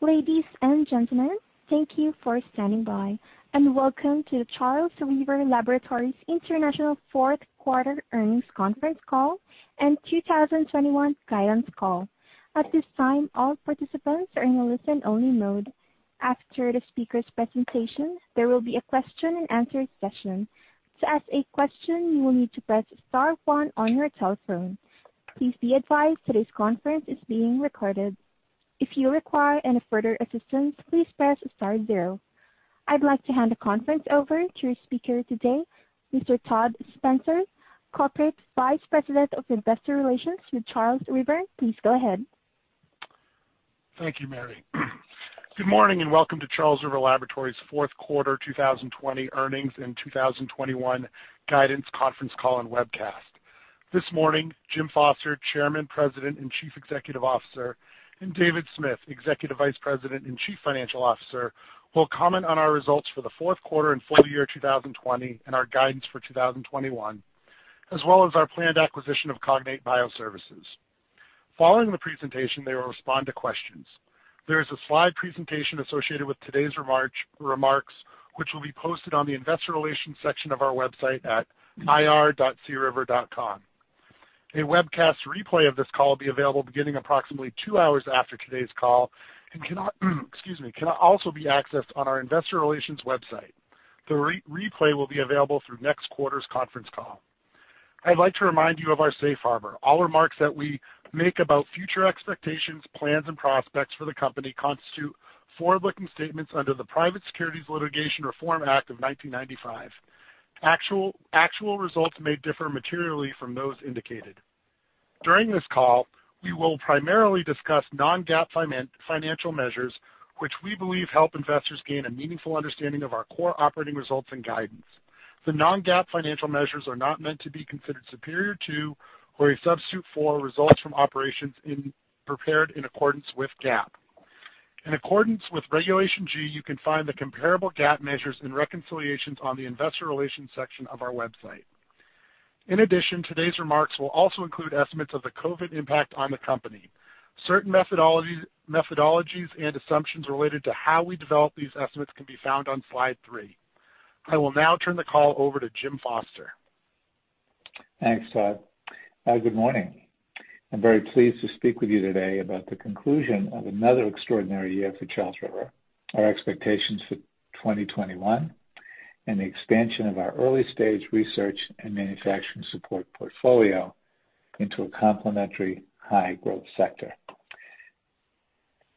Ladies and gentlemen, thank you for standing by, and welcome to the Charles River Laboratories International Fourth Quarter Earnings Conference Call and 2021 Guidance Call. At this time, all participants are in a listen-only mode. After the speaker's presentation, there will be a question-and-answer session. To ask a question, you will need to press star one on your telephone. Please be advised today's conference is being recorded. If you require any further assistance, please press star zero. I'd like to hand the conference over to our speaker today, Mr. Todd Spencer, Corporate Vice President of Investor Relations with Charles River. Please go ahead. Thank you, Mary. Good morning and welcome to Charles River Laboratories Fourth Quarter 2020 Earnings and 2021 Guidance Conference Call and Webcast. This morning, Jim Foster, Chairman, President, and Chief Executive Officer, and David Smith, Executive Vice President and Chief Financial Officer, will comment on our results for the fourth quarter and full year 2020 and our guidance for 2021, as well as our planned acquisition of Cognate Bioservices. Following the presentation, they will respond to questions. There is a slide presentation associated with today's remarks, which will be posted on the Investor Relations section of our website at ir.criver.com. A webcast replay of this call will be available beginning approximately two hours after today's call and cannot, excuse me, cannot also be accessed on our Investor Relations website. The replay will be available through next quarter's conference call. I'd like to remind you of our safe harbor. All remarks that we make about future expectations, plans, and prospects for the company constitute forward-looking statements under the Private Securities Litigation Reform Act of 1995. Actual results may differ materially from those indicated. During this call, we will primarily discuss non-GAAP financial measures, which we believe help investors gain a meaningful understanding of our core operating results and guidance. The non-GAAP financial measures are not meant to be considered superior to or a substitute for results from operations prepared in accordance with GAAP. In accordance with Regulation G, you can find the comparable GAAP measures and reconciliations on the Investor Relations section of our website. In addition, today's remarks will also include estimates of the COVID impact on the company. Certain methodologies and assumptions related to how we develop these estimates can be found on slide three. I will now turn the call over to Jim Foster. Thanks, Todd. Good morning. I'm very pleased to speak with you today about the conclusion of another extraordinary year for Charles River, our expectations for 2021, and the expansion of our early-stage research and manufacturing support portfolio into a complementary high-growth sector.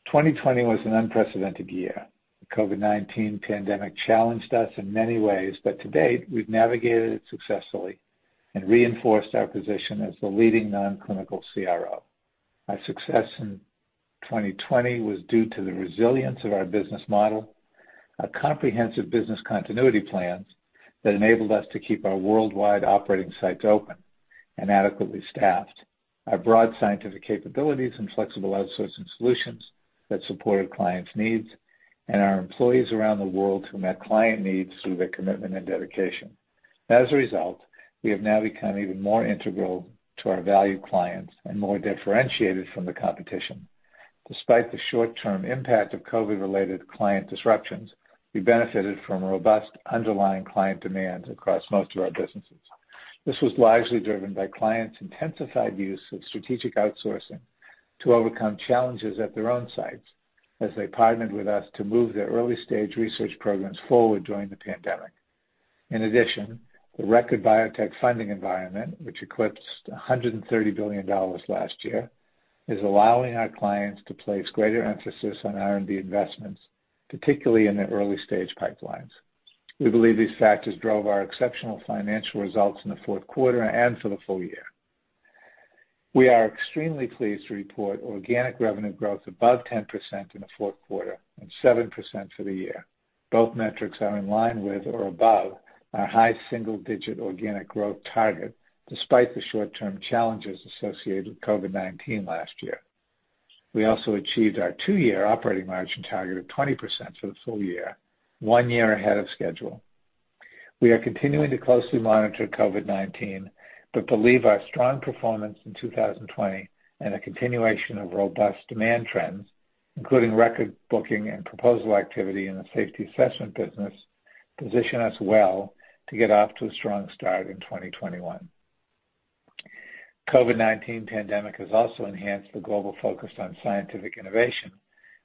2020 was an unprecedented year. The COVID-19 pandemic challenged us in many ways, but to date, we've navigated it successfully and reinforced our position as the leading non-clinical CRO. Our success in 2020 was due to the resilience of our business model, our comprehensive business continuity plans that enabled us to keep our worldwide operating sites open and adequately staffed, our broad scientific capabilities and flexible outsourcing solutions that supported clients' needs, and our employees around the world who met client needs through their commitment and dedication. As a result, we have now become even more integral to our valued clients and more differentiated from the competition. Despite the short-term impact of COVID-related client disruptions, we benefited from robust underlying client demand across most of our businesses. This was largely driven by clients' intensified use of strategic outsourcing to overcome challenges at their own sites as they partnered with us to move their early-stage research programs forward during the pandemic. In addition, the record biotech funding environment, which eclipsed $130 billion last year, is allowing our clients to place greater emphasis on R&D investments, particularly in their early-stage pipelines. We believe these factors drove our exceptional financial results in the fourth quarter and for the full year. We are extremely pleased to report organic revenue growth above 10% in the fourth quarter and 7% for the year. Both metrics are in line with or above our high single-digit organic growth target, despite the short-term challenges associated with COVID-19 last year. We also achieved our two-year operating margin target of 20% for the full year, one year ahead of schedule. We are continuing to closely monitor COVID-19 but believe our strong performance in 2020 and the continuation of robust demand trends, including record booking and proposal activity in the safety assessment business, position us well to get off to a strong start in 2021. The COVID-19 pandemic has also enhanced the global focus on scientific innovation,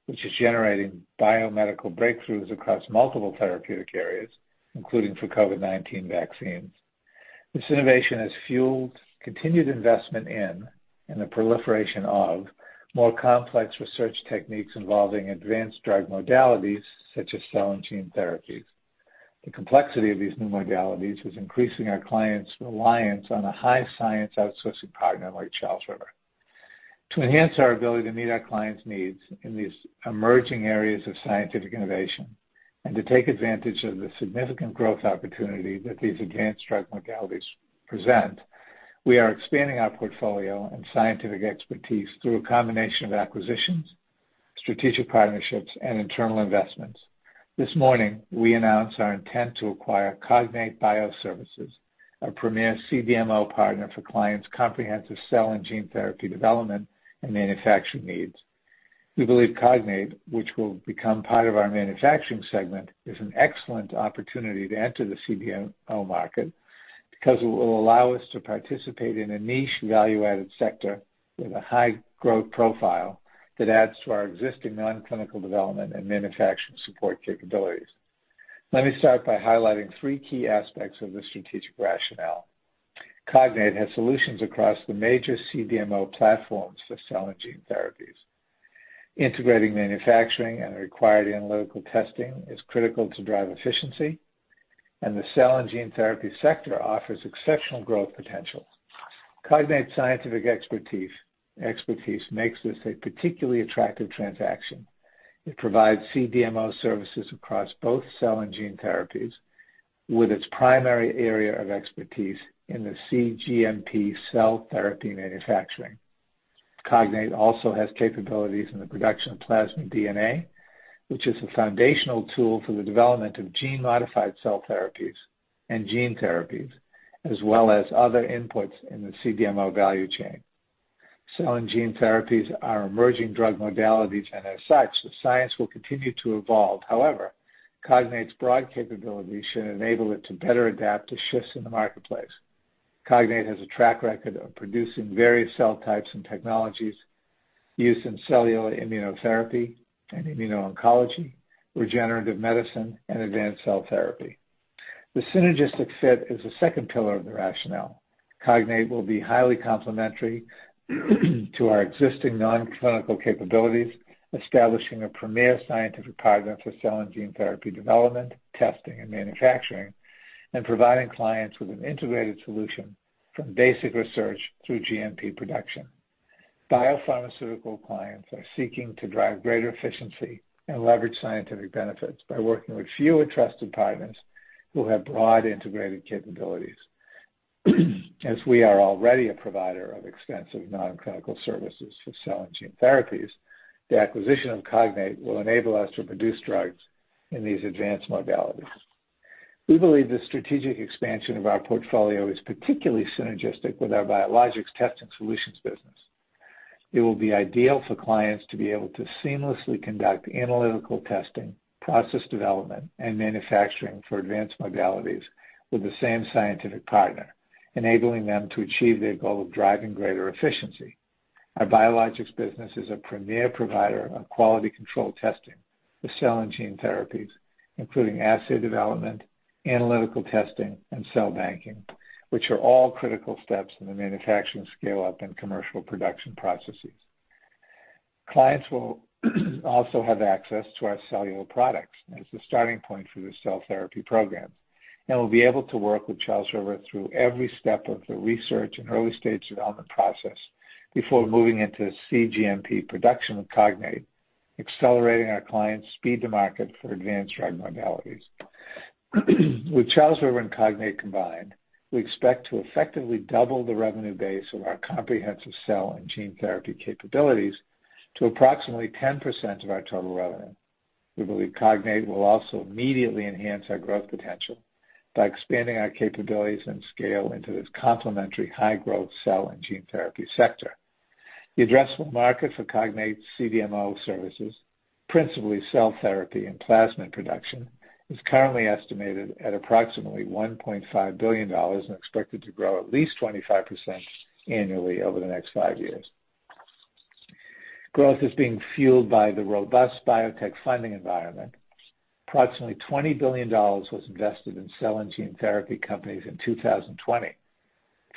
which is generating biomedical breakthroughs across multiple therapeutic areas, including for COVID-19 vaccines. This innovation has fueled continued investment in and the proliferation of more complex research techniques involving advanced drug modalities such as cell and gene therapies. The complexity of these new modalities is increasing our clients' reliance on a high-science outsourcing partner like Charles River. To enhance our ability to meet our clients' needs in these emerging areas of scientific innovation and to take advantage of the significant growth opportunity that these advanced drug modalities present, we are expanding our portfolio and scientific expertise through a combination of acquisitions, strategic partnerships, and internal investments. This morning, we announced our intent to acquire Cognate Bioservices, our premier CDMO partner for clients' comprehensive cell and gene therapy development and manufacturing needs. We believe Cognate, which will become part of our manufacturing segment, is an excellent opportunity to enter the CDMO market because it will allow us to participate in a niche value-added sector with a high growth profile that adds to our existing non-clinical development and manufacturing support capabilities. Let me start by highlighting three key aspects of this strategic rationale. Cognate has solutions across the major CDMO platforms for cell and gene therapies. Integrating manufacturing and required analytical testing is critical to drive efficiency, and the cell and gene therapy sector offers exceptional growth potential. Cognate's scientific expertise makes this a particularly attractive transaction. It provides CDMO services across both cell and gene therapies, with its primary area of expertise in the cGMP cell therapy manufacturing. Cognate also has capabilities in the production of plasmid DNA, which is a foundational tool for the development of gene-modified cell therapies and gene therapies, as well as other inputs in the CDMO value chain. Cell and gene therapies are emerging drug modalities, and as such, the science will continue to evolve. However, Cognate's broad capabilities should enable it to better adapt to shifts in the marketplace. Cognate has a track record of producing various cell types and technologies used in cellular immunotherapy and immuno-oncology, regenerative medicine, and advanced cell therapy. The synergistic fit is the second pillar of the rationale. Cognate will be highly complementary to our existing non-clinical capabilities, establishing a premier scientific partner for cell and gene therapy development, testing, and manufacturing, and providing clients with an integrated solution from basic research through GMP production. Biopharmaceutical clients are seeking to drive greater efficiency and leverage scientific benefits by working with fewer trusted partners who have broad integrated capabilities. As we are already a provider of extensive non-clinical services for cell and gene therapies, the acquisition of Cognate will enable us to produce drugs in these advanced modalities. We believe this strategic expansion of our portfolio is particularly synergistic with our biologics testing solutions business. It will be ideal for clients to be able to seamlessly conduct analytical testing, process development, and manufacturing for advanced modalities with the same scientific partner, enabling them to achieve their goal of driving greater efficiency. Our biologics business is a premier provider of quality control testing for cell and gene therapies, including assay development, analytical testing, and cell banking, which are all critical steps in the manufacturing scale-up and commercial production processes. Clients will also have access to our cellular products as the starting point for their cell therapy programs and will be able to work with Charles River through every step of the research and early-stage development process before moving into cGMP production with Cognate, accelerating our clients' speed to market for advanced drug modalities. With Charles River and Cognate combined, we expect to effectively double the revenue base of our comprehensive cell and gene therapy capabilities to approximately 10% of our total revenue. We believe Cognate will also immediately enhance our growth potential by expanding our capabilities and scale into this complementary high-growth cell and gene therapy sector. The addressable market for Cognate's CDMO services, principally cell therapy and plasmid production, is currently estimated at approximately $1.5 billion and expected to grow at least 25% annually over the next five years. Growth is being fueled by the robust biotech funding environment. Approximately $20 billion was invested in cell and gene therapy companies in 2020,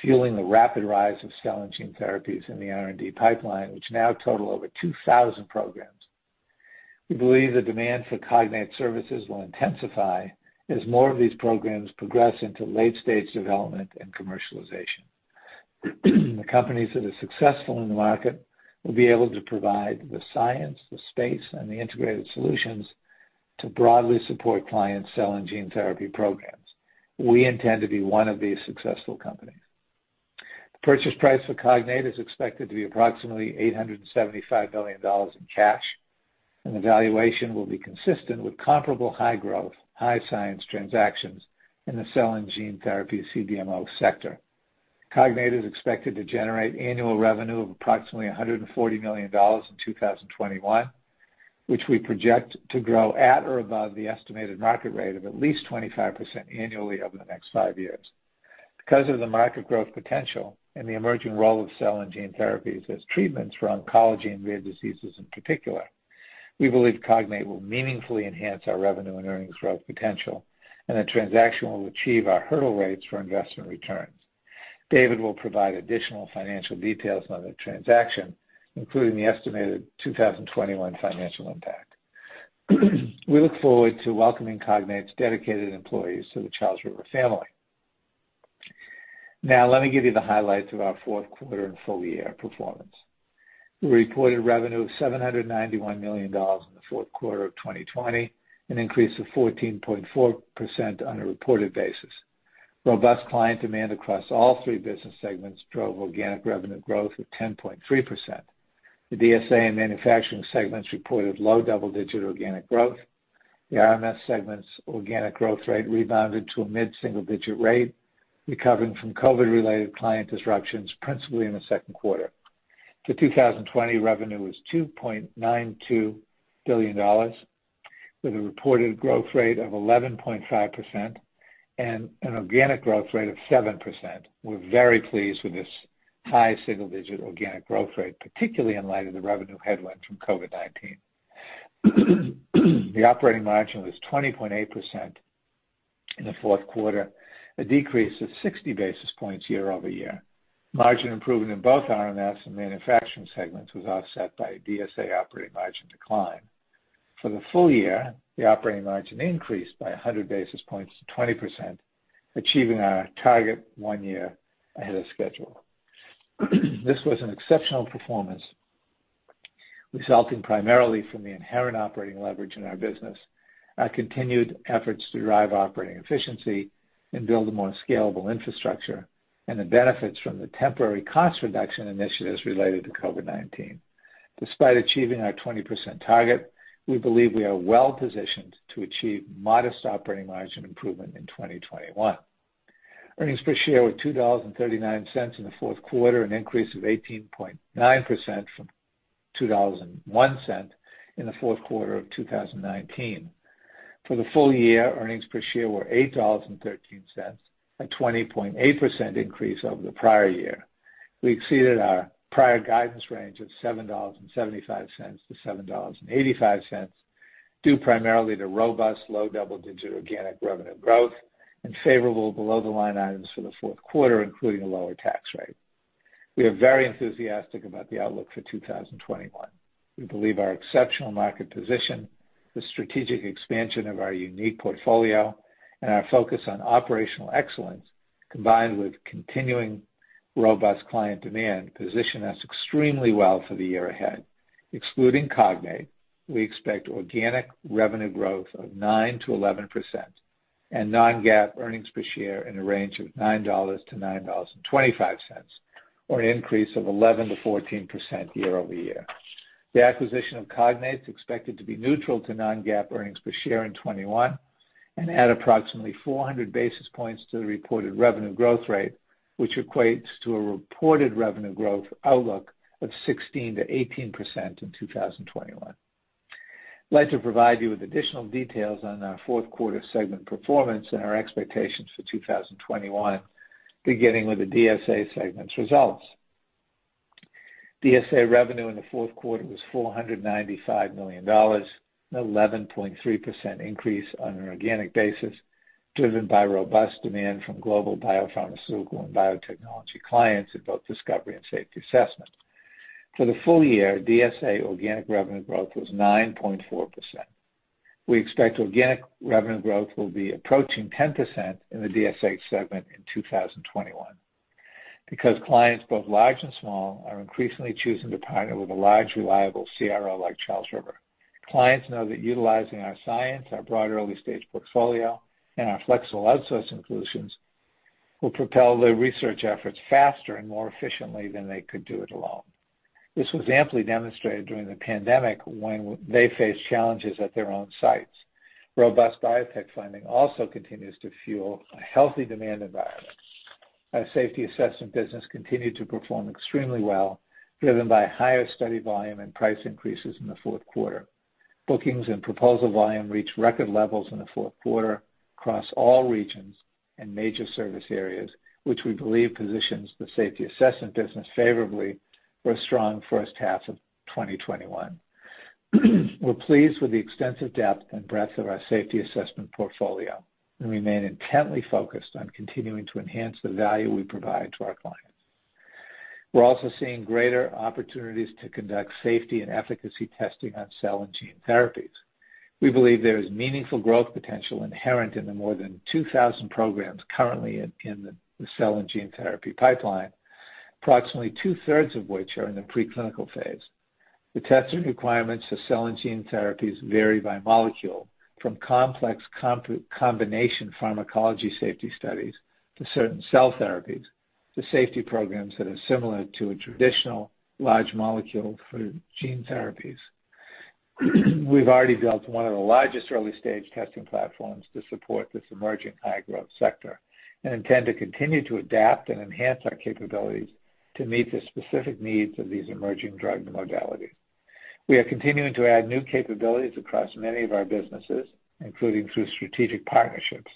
fueling the rapid rise of cell and gene therapies in the R&D pipeline, which now total over 2,000 programs. We believe the demand for Cognate services will intensify as more of these programs progress into late-stage development and commercialization. The companies that are successful in the market will be able to provide the science, the space, and the integrated solutions to broadly support clients' cell and gene therapy programs. We intend to be one of these successful companies. The purchase price for Cognate is expected to be approximately $875 million in cash, and the valuation will be consistent with comparable high-growth, high-science transactions in the cell and gene therapy CDMO sector. Cognate is expected to generate annual revenue of approximately $140 million in 2021, which we project to grow at or above the estimated market rate of at least 25% annually over the next five years. Because of the market growth potential and the emerging role of cell and gene therapies as treatments for oncology and rare diseases in particular, we believe Cognate will meaningfully enhance our revenue and earnings growth potential, and the transaction will achieve our hurdle rates for investment returns. David will provide additional financial details on the transaction, including the estimated 2021 financial impact. We look forward to welcoming Cognate's dedicated employees to the Charles River family. Now, let me give you the highlights of our fourth quarter and full-year performance. We reported revenue of $791 million in the fourth quarter of 2020, an increase of 14.4% on a reported basis. Robust client demand across all three business segments drove organic revenue growth of 10.3%. The DSA and manufacturing segments reported low double-digit organic growth. The RMS segment's organic growth rate rebounded to a mid-single-digit rate, recovering from COVID-related client disruptions, principally in the second quarter. The 2020 revenue was $2.92 billion, with a reported growth rate of 11.5% and an organic growth rate of 7%. We're very pleased with this high single-digit organic growth rate, particularly in light of the revenue headwind from COVID-19. The operating margin was 20.8% in the fourth quarter, a decrease of 60 basis points year over year. Margin improvement in both RMS and manufacturing segments was offset by DSA operating margin decline. For the full year, the operating margin increased by 100 basis points to 20%, achieving our target one year ahead of schedule. This was an exceptional performance, resulting primarily from the inherent operating leverage in our business, our continued efforts to drive operating efficiency and build a more scalable infrastructure, and the benefits from the temporary cost reduction initiatives related to COVID-19. Despite achieving our 20% target, we believe we are well-positioned to achieve modest operating margin improvement in 2021. Earnings per share were $2.39 in the fourth quarter, an increase of 18.9% from $2.01 in the fourth quarter of 2019. For the full year, earnings per share were $8.13, a 20.8% increase over the prior year. We exceeded our prior guidance range of $7.75-$7.85, due primarily to robust low double-digit organic revenue growth and favorable below-the-line items for the fourth quarter, including a lower tax rate. We are very enthusiastic about the outlook for 2021. We believe our exceptional market position, the strategic expansion of our unique portfolio, and our focus on operational excellence, combined with continuing robust client demand, position us extremely well for the year ahead. Excluding Cognate, we expect organic revenue growth of 9%-11% and non-GAAP earnings per share in a range of $9.00-$9.25, or an increase of 11%-14% year over year. The acquisition of Cognate is expected to be neutral to non-GAAP earnings per share in 2021 and add approximately 400 basis points to the reported revenue growth rate, which equates to a reported revenue growth outlook of 16%-18% in 2021. I'd like to provide you with additional details on our fourth quarter segment performance and our expectations for 2021, beginning with the DSA segment's results. DSA revenue in the fourth quarter was $495 million, an 11.3% increase on an organic basis, driven by robust demand from global biopharmaceutical and biotechnology clients in both discovery and safety assessment. For the full year, DSA organic revenue growth was 9.4%. We expect organic revenue growth will be approaching 10% in the DSA segment in 2021 because clients both large and small are increasingly choosing to partner with a large, reliable CRO like Charles River. Clients know that utilizing our science, our broad early-stage portfolio, and our flexible outsourcing solutions will propel their research efforts faster and more efficiently than they could do it alone. This was amply demonstrated during the pandemic when they faced challenges at their own sites. Robust biotech funding also continues to fuel a healthy demand environment. Our safety assessment business continued to perform extremely well, driven by higher study volume and price increases in the fourth quarter. Bookings and proposal volume reached record levels in the fourth quarter across all regions and major service areas, which we believe positions the safety assessment business favorably for a strong first half of 2021. We're pleased with the extensive depth and breadth of our safety assessment portfolio and remain intently focused on continuing to enhance the value we provide to our clients. We're also seeing greater opportunities to conduct safety and efficacy testing on cell and gene therapies. We believe there is meaningful growth potential inherent in the more than 2,000 programs currently in the cell and gene therapy pipeline, approximately two-thirds of which are in the preclinical phase. The testing requirements for cell and gene therapies vary by molecule, from complex combination pharmacology safety studies to certain cell therapies, to safety programs that are similar to a traditional large molecule for gene therapies. We've already built one of the largest early-stage testing platforms to support this emerging high-growth sector and intend to continue to adapt and enhance our capabilities to meet the specific needs of these emerging drug modalities. We are continuing to add new capabilities across many of our businesses, including through strategic partnerships.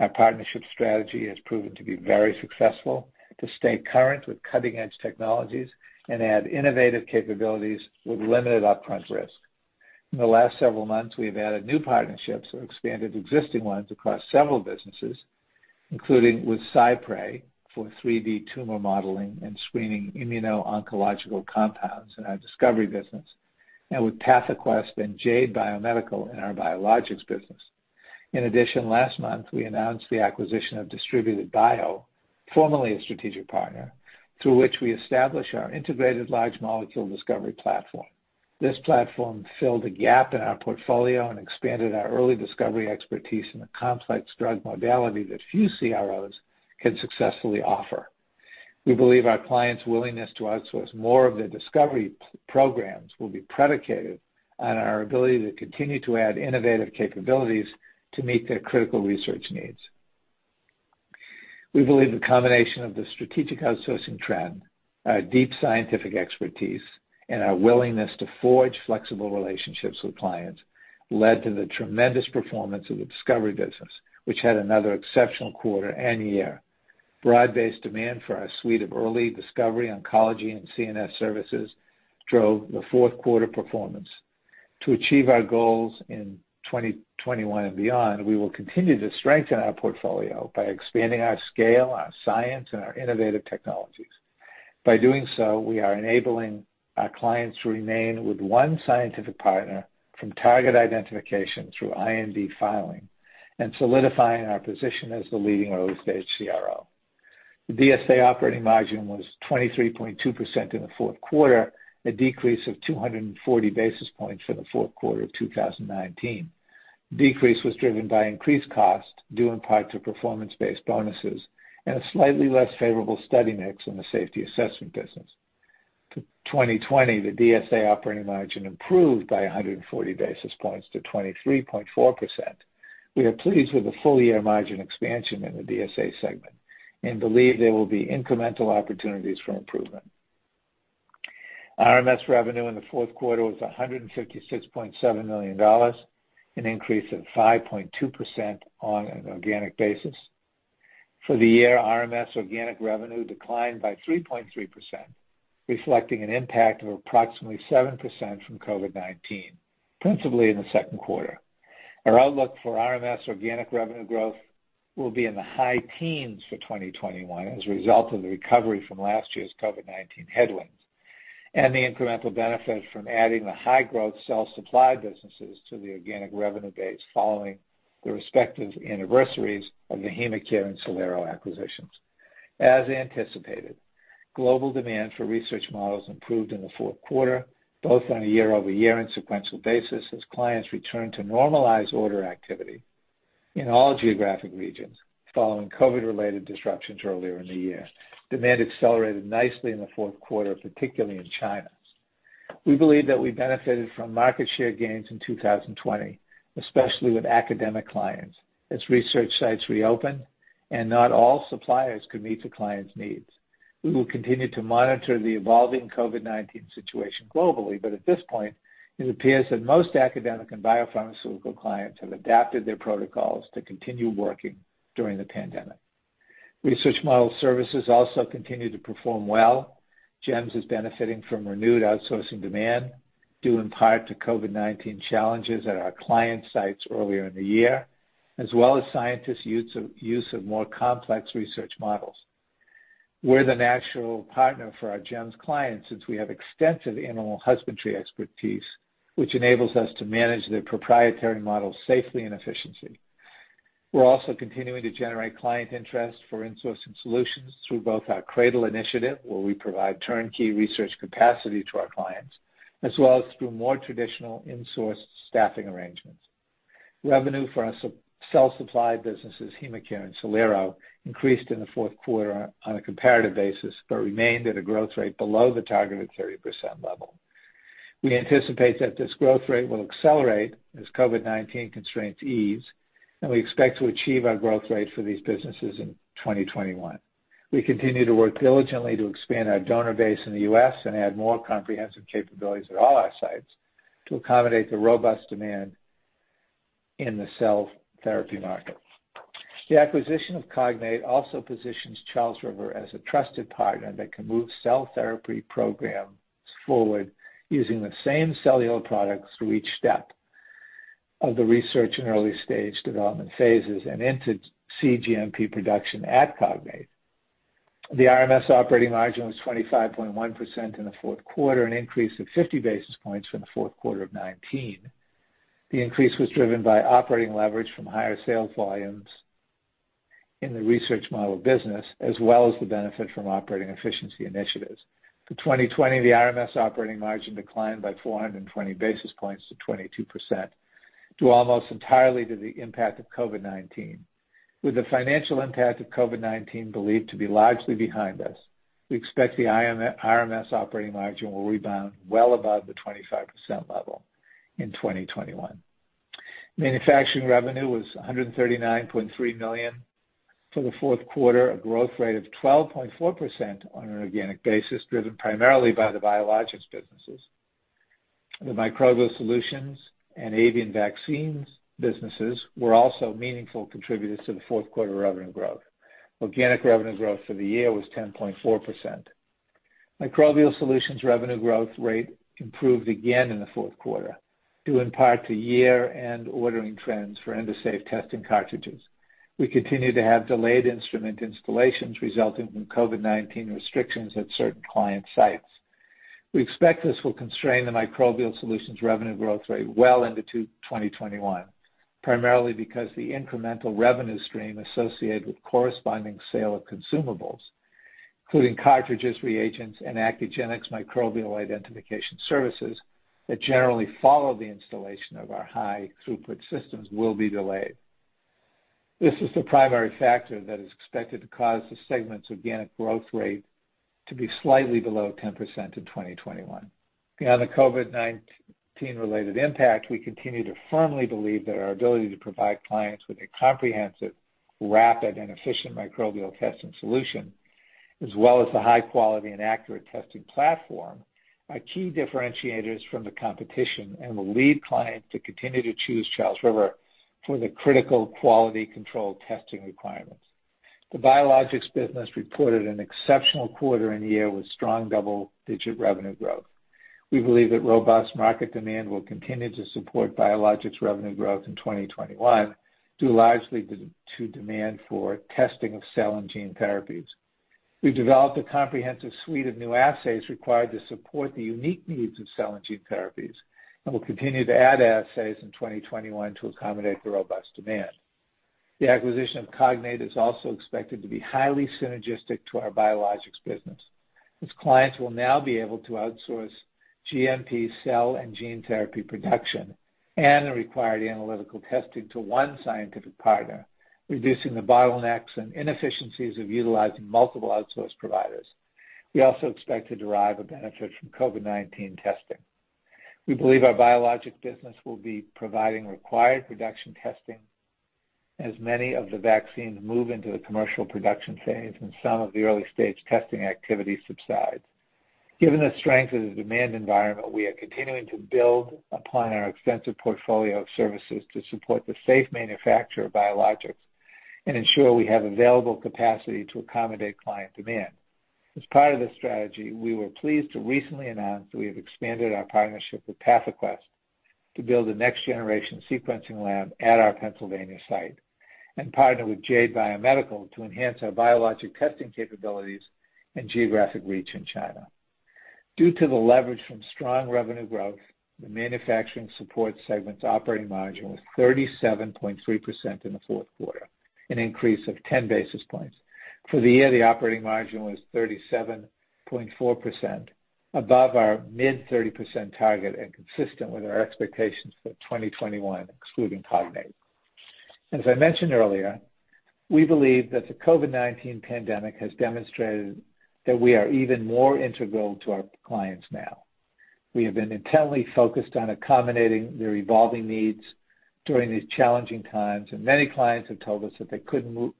Our partnership strategy has proven to be very successful to stay current with cutting-edge technologies and add innovative capabilities with limited upfront risk. In the last several months, we have added new partnerships or expanded existing ones across several businesses, including with Cypre for 3D tumor modeling and screening immuno-oncological compounds in our discovery business, and with PathoQuest and Jade Biomedical in our biologics business. In addition, last month, we announced the acquisition of DistributedBio, formerly a strategic partner, through which we established our integrated large molecule discovery platform. This platform filled a gap in our portfolio and expanded our early discovery expertise in a complex drug modality that few CROs can successfully offer. We believe our clients' willingness to outsource more of their discovery programs will be predicated on our ability to continue to add innovative capabilities to meet their critical research needs. We believe the combination of the strategic outsourcing trend, our deep scientific expertise, and our willingness to forge flexible relationships with clients led to the tremendous performance of the discovery business, which had another exceptional quarter and year. Broad-based demand for our suite of early discovery oncology and CNS services drove the fourth quarter performance. To achieve our goals in 2021 and beyond, we will continue to strengthen our portfolio by expanding our scale, our science, and our innovative technologies. By doing so, we are enabling our clients to remain with one scientific partner from target identification through IND filing and solidifying our position as the leading early-stage CRO. The DSA operating margin was 23.2% in the fourth quarter, a decrease of 240 basis points from the fourth quarter of 2019. The decrease was driven by increased costs due in part to performance-based bonuses and a slightly less favorable study mix in the safety assessment business. To 2020, the DSA operating margin improved by 140 basis points to 23.4%. We are pleased with the full-year margin expansion in the DSA segment and believe there will be incremental opportunities for improvement. RMS revenue in the fourth quarter was $156.7 million, an increase of 5.2% on an organic basis. For the year, RMS organic revenue declined by 3.3%, reflecting an impact of approximately 7% from COVID-19, principally in the second quarter. Our outlook for RMS organic revenue growth will be in the high teens for 2021 as a result of the recovery from last year's COVID-19 headwinds and the incremental benefit from adding the high-growth cell supply businesses to the organic revenue base following the respective anniversaries of the HemaCare and Cellero acquisitions. As anticipated, global demand for research models improved in the fourth quarter, both on a year-over-year and sequential basis, as clients returned to normalized order activity in all geographic regions following COVID-related disruptions earlier in the year. Demand accelerated nicely in the fourth quarter, particularly in China. We believe that we benefited from market share gains in 2020, especially with academic clients, as research sites reopened and not all suppliers could meet the clients' needs. We will continue to monitor the evolving COVID-19 situation globally, but at this point, it appears that most academic and biopharmaceutical clients have adapted their protocols to continue working during the pandemic. Research model services also continue to perform well. GEMS is benefiting from renewed outsourcing demand, due in part to COVID-19 challenges at our client sites earlier in the year, as well as scientists' use of more complex research models. We're the natural partner for our GEMS clients since we have extensive animal husbandry expertise, which enables us to manage their proprietary models safely and efficiently. We're also continuing to generate client interest for insourcing solutions through both our CRADLE Initiative, where we provide turnkey research capacity to our clients, as well as through more traditional insourced staffing arrangements. Revenue for our cell supply businesses, HemaCare and Cellero, increased in the fourth quarter on a comparative basis but remained at a growth rate below the targeted 30% level. We anticipate that this growth rate will accelerate as COVID-19 constraints ease, and we expect to achieve our growth rate for these businesses in 2021. We continue to work diligently to expand our donor base in the US and add more comprehensive capabilities at all our sites to accommodate the robust demand in the cell therapy market. The acquisition of Cognate also positions Charles River as a trusted partner that can move cell therapy programs forward using the same cellular products through each step of the research and early-stage development phases and into cGMP production at Cognate. The RMS operating margin was 25.1% in the fourth quarter, an increase of 50 basis points from the fourth quarter of 2019. The increase was driven by operating leverage from higher sales volumes in the research model business, as well as the benefit from operating efficiency initiatives. For 2020, the RMS operating margin declined by 420 basis points to 22%, due almost entirely to the impact of COVID-19. With the financial impact of COVID-19 believed to be largely behind us, we expect the RMS operating margin will rebound well above the 25% level in 2021. Manufacturing revenue was $139.3 million for the fourth quarter, a growth rate of 12.4% on an organic basis, driven primarily by the biologics businesses. The microbial solutions and avian vaccines businesses were also meaningful contributors to the fourth quarter revenue growth. Organic revenue growth for the year was 10.4%. Microbial solutions revenue growth rate improved again in the fourth quarter, due in part to year-end ordering trends for end-of-stage testing cartridges. We continue to have delayed instrument installations resulting from COVID-19 restrictions at certain client sites. We expect this will constrain the microbial solutions revenue growth rate well into 2021, primarily because the incremental revenue stream associated with corresponding sale of consumables, including cartridges, reagents, and Accugenix microbial identification services that generally follow the installation of our high-throughput systems, will be delayed. This is the primary factor that is expected to cause the segment's organic growth rate to be slightly below 10% in 2021. Beyond the COVID-19-related impact, we continue to firmly believe that our ability to provide clients with a comprehensive, rapid, and efficient microbial testing solution, as well as the high-quality and accurate testing platform, are key differentiators from the competition and will lead clients to continue to choose Charles River for the critical quality control testing requirements. The biologics business reported an exceptional quarter and year with strong double-digit revenue growth. We believe that robust market demand will continue to support biologics revenue growth in 2021, due largely to demand for testing of cell and gene therapies. We've developed a comprehensive suite of new assays required to support the unique needs of cell and gene therapies and will continue to add assays in 2021 to accommodate the robust demand. The acquisition of Cognate is also expected to be highly synergistic to our biologics business, as clients will now be able to outsource GMP cell and gene therapy production and the required analytical testing to one scientific partner, reducing the bottlenecks and inefficiencies of utilizing multiple outsourced providers. We also expect to derive a benefit from COVID-19 testing. We believe our biologics business will be providing required production testing as many of the vaccines move into the commercial production phase and some of the early-stage testing activity subsides. Given the strength of the demand environment, we are continuing to build upon our extensive portfolio of services to support the safe manufacture of biologics and ensure we have available capacity to accommodate client demand. As part of this strategy, we were pleased to recently announce that we have expanded our partnership with PathoQuest to build a next-generation sequencing lab at our Pennsylvania site and partner with Jade Biomedical to enhance our biologic testing capabilities and geographic reach in China. Due to the leverage from strong revenue growth, the manufacturing support segment's operating margin was 37.3% in the fourth quarter, an increase of 10 basis points. For the year, the operating margin was 37.4%, above our mid-30% target and consistent with our expectations for 2021, excluding Cognate. As I mentioned earlier, we believe that the COVID-19 pandemic has demonstrated that we are even more integral to our clients now. We have been intently focused on accommodating their evolving needs during these challenging times, and many clients have told us that they couldn't move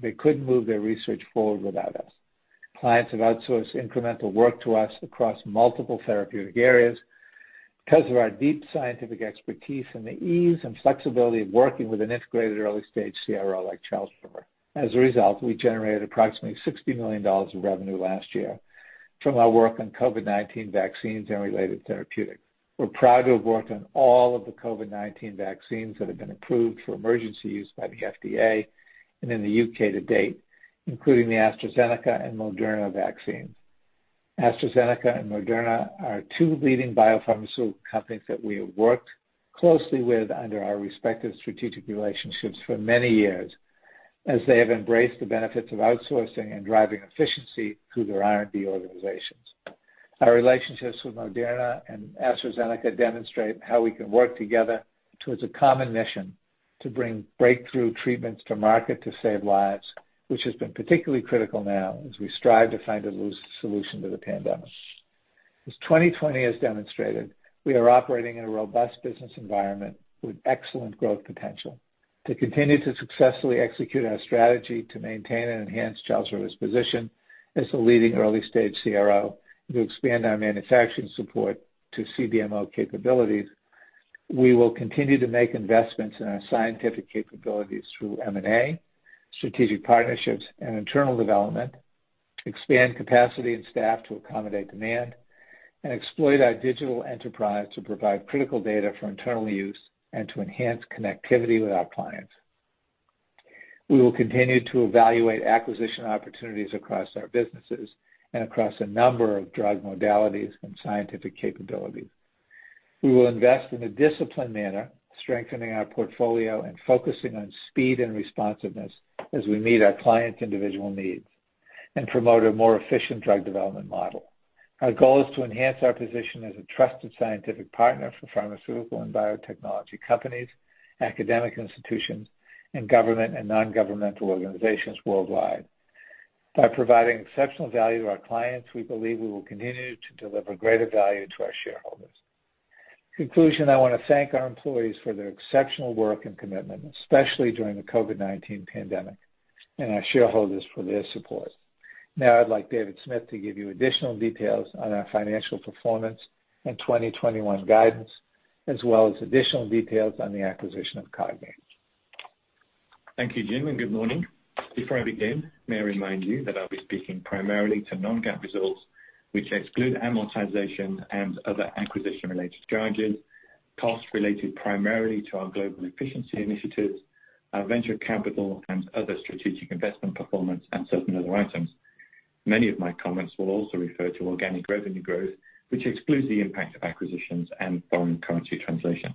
their research forward without us. Clients have outsourced incremental work to us across multiple therapeutic areas because of our deep scientific expertise and the ease and flexibility of working with an integrated early-stage CRO like Charles River. As a result, we generated approximately $60 million of revenue last year from our work on COVID-19 vaccines and related therapeutics. We're proud to have worked on all of the COVID-19 vaccines that have been approved for emergency use by the FDA and in the U.K. to date, including the AstraZeneca and Moderna vaccines. AstraZeneca and Moderna are two leading biopharmaceutical companies that we have worked closely with under our respective strategic relationships for many years, as they have embraced the benefits of outsourcing and driving efficiency through their R&D organizations. Our relationships with Moderna and AstraZeneca demonstrate how we can work together towards a common mission to bring breakthrough treatments to market to save lives, which has been particularly critical now as we strive to find a solution to the pandemic. As 2020 has demonstrated, we are operating in a robust business environment with excellent growth potential. To continue to successfully execute our strategy to maintain and enhance Charles River's position as the leading early-stage CRO and to expand our manufacturing support to CDMO capabilities, we will continue to make investments in our scientific capabilities through M&A, strategic partnerships and internal development, expand capacity and staff to accommodate demand, and exploit our digital enterprise to provide critical data for internal use and to enhance connectivity with our clients. We will continue to evaluate acquisition opportunities across our businesses and across a number of drug modalities and scientific capabilities. We will invest in a disciplined manner, strengthening our portfolio and focusing on speed and responsiveness as we meet our clients' individual needs and promote a more efficient drug development model. Our goal is to enhance our position as a trusted scientific partner for pharmaceutical and biotechnology companies, academic institutions, and government and non-governmental organizations worldwide. By providing exceptional value to our clients, we believe we will continue to deliver greater value to our shareholders. In conclusion, I want to thank our employees for their exceptional work and commitment, especially during the COVID-19 pandemic, and our shareholders for their support. Now, I'd like David Smith to give you additional details on our financial performance and 2021 guidance, as well as additional details on the acquisition of Cognate. Thank you, Jim, and good morning. Before I begin, may I remind you that I'll be speaking primarily to Non-GAAP results, which exclude amortization and other acquisition-related charges, costs related primarily to our global efficiency initiatives, our venture capital, and other strategic investment performance, and certain other items. Many of my comments will also refer to organic revenue growth, which excludes the impact of acquisitions and foreign currency translation.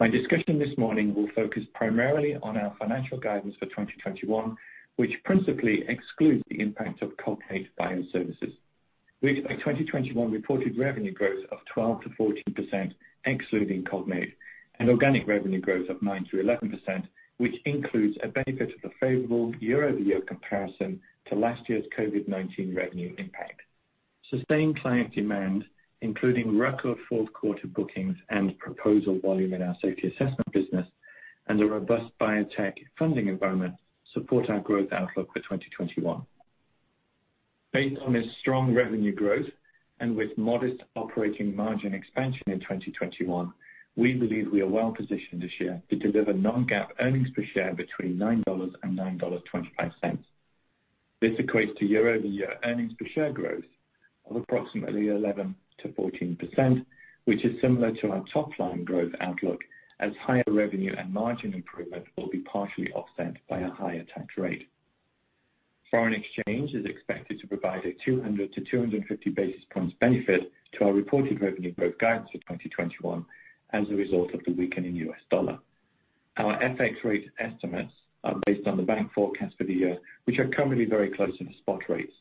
My discussion this morning will focus primarily on our financial guidance for 2021, which principally excludes the impact of Cognate Bioservices. We expect 2021 reported revenue growth of 12%-14%, excluding Cognate, and organic revenue growth of 9%-11%, which includes a benefit of the favorable year-over-year comparison to last year's COVID-19 revenue impact. Sustained client demand, including record fourth-quarter bookings and proposal volume in our safety assessment business and a robust biotech funding environment, supports our growth outlook for 2021. Based on this strong revenue growth and with modest operating margin expansion in 2021, we believe we are well positioned this year to deliver non-GAAP earnings per share between $9 and $9.25. This equates to year-over-year earnings per share growth of approximately 11%-14%, which is similar to our top-line growth outlook, as higher revenue and margin improvement will be partially offset by a higher tax rate. Foreign exchange is expected to provide a 200-250 basis points benefit to our reported revenue growth guidance for 2021 as a result of the weakening U.S. dollar. Our FX rate estimates are based on the bank forecast for the year, which are currently very close to the spot rates.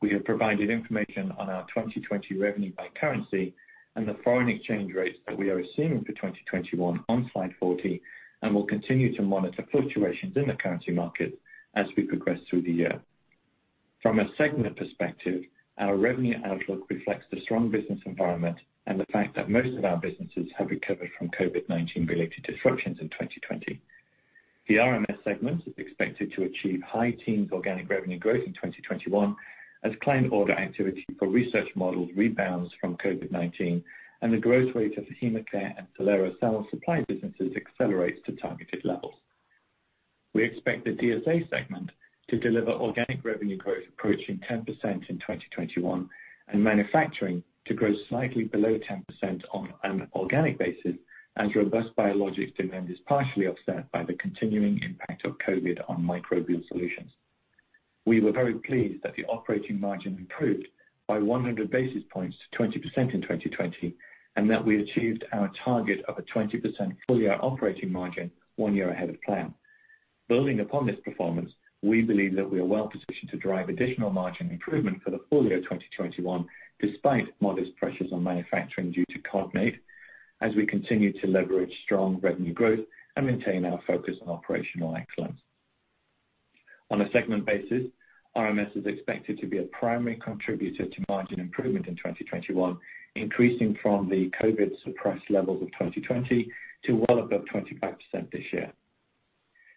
We have provided information on our 2020 revenue by currency and the foreign exchange rates that we are assuming for 2021 on slide 40, and will continue to monitor fluctuations in the currency markets as we progress through the year. From a segment perspective, our revenue outlook reflects the strong business environment and the fact that most of our businesses have recovered from COVID-19-related disruptions in 2020. The RMS segment is expected to achieve high teens organic revenue growth in 2021, as client order activity for research models rebounds from COVID-19 and the growth rate of HemaCare and Cellero cell supply businesses accelerates to targeted levels. We expect the DSA segment to deliver organic revenue growth approaching 10% in 2021 and manufacturing to grow slightly below 10% on an organic basis, as robust biologics demand is partially offset by the continuing impact of COVID on microbial solutions. We were very pleased that the operating margin improved by 100 basis points to 20% in 2020 and that we achieved our target of a 20% full-year operating margin one year ahead of plan. Building upon this performance, we believe that we are well positioned to drive additional margin improvement for the full year 2021, despite modest pressures on manufacturing due to Cognate, as we continue to leverage strong revenue growth and maintain our focus on operational excellence. On a segment basis, RMS is expected to be a primary contributor to margin improvement in 2021, increasing from the COVID-suppressed levels of 2020 to well above 25% this year.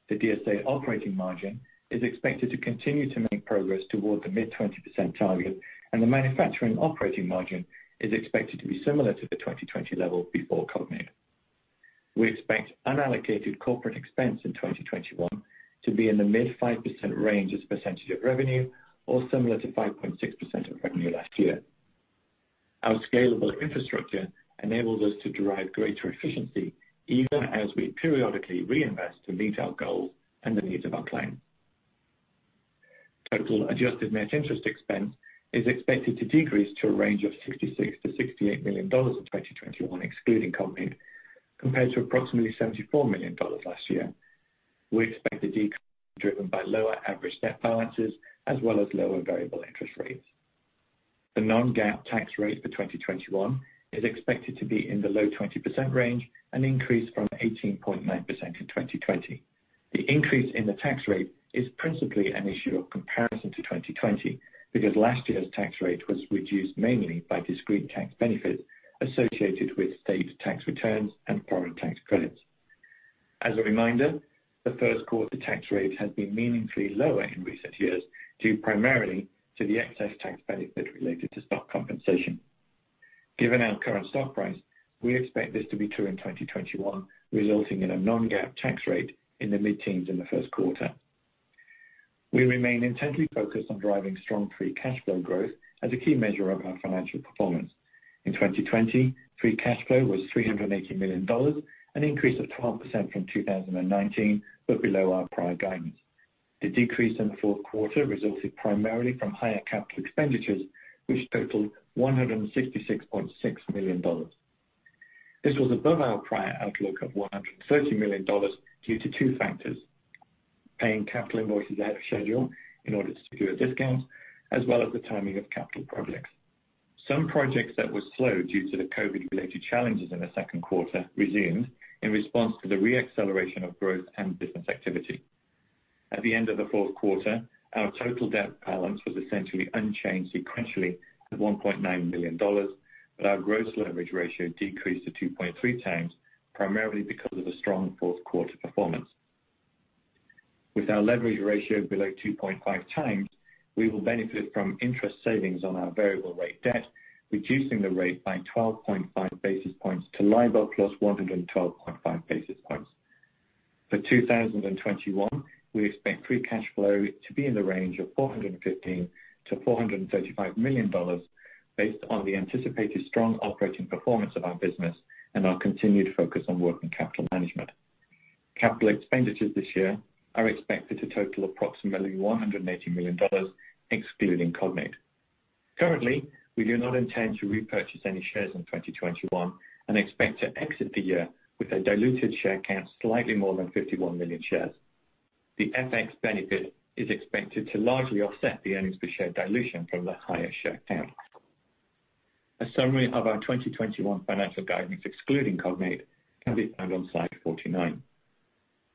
The DSA operating margin is expected to continue to make progress toward the mid-20% target, and the manufacturing operating margin is expected to be similar to the 2020 level before Cognate. We expect unallocated corporate expense in 2021 to be in the mid 5% range as percentage of revenue or similar to 5.6% of revenue last year. Our scalable infrastructure enables us to derive greater efficiency, even as we periodically reinvest to meet our goals and the needs of our clients. Total adjusted net interest expense is expected to decrease to a range of $66-$68 million in 2021, excluding Cognate, compared to approximately $74 million last year. We expect the decrease to be driven by lower average debt balances as well as lower variable interest rates. The non-GAAP tax rate for 2021 is expected to be in the low 20% range and increase from 18.9% in 2020. The increase in the tax rate is principally an issue of comparison to 2020 because last year's tax rate was reduced mainly by discrete tax benefits associated with state tax returns and foreign tax credits. As a reminder, the first-quarter tax rate has been meaningfully lower in recent years due primarily to the excess tax benefit related to stock compensation. Given our current stock price, we expect this to be true in 2021, resulting in a non-GAAP tax rate in the mid-teens in the first quarter. We remain intently focused on driving strong free cash flow growth as a key measure of our financial performance. In 2020, free cash flow was $380 million, an increase of 12% from 2019, but below our prior guidance. The decrease in the fourth quarter resulted primarily from higher capital expenditures, which totaled $166.6 million. This was above our prior outlook of $130 million due to two factors: paying capital invoices ahead of schedule in order to secure discounts, as well as the timing of capital projects. Some projects that were slow due to the COVID-related challenges in the second quarter resumed in response to the re-acceleration of growth and business activity. At the end of the fourth quarter, our total debt balance was essentially unchanged sequentially at $1.9 million, but our gross leverage ratio decreased to 2.3 times, primarily because of the strong fourth-quarter performance. With our leverage ratio below 2.5 times, we will benefit from interest savings on our variable-rate debt, reducing the rate by 12.5 basis points to LIBOR +112.5 basis points. For 2021, we expect free cash flow to be in the range of $415 million-$435 million, based on the anticipated strong operating performance of our business and our continued focus on working capital management. Capital expenditures this year are expected to total approximately $180 million, excluding Cognate. Currently, we do not intend to repurchase any shares in 2021 and expect to exit the year with a diluted share count slightly more than 51 million shares. The FX benefit is expected to largely offset the earnings per share dilution from the higher share count. A summary of our 2021 financial guidance, excluding Cognate, can be found on slide 49.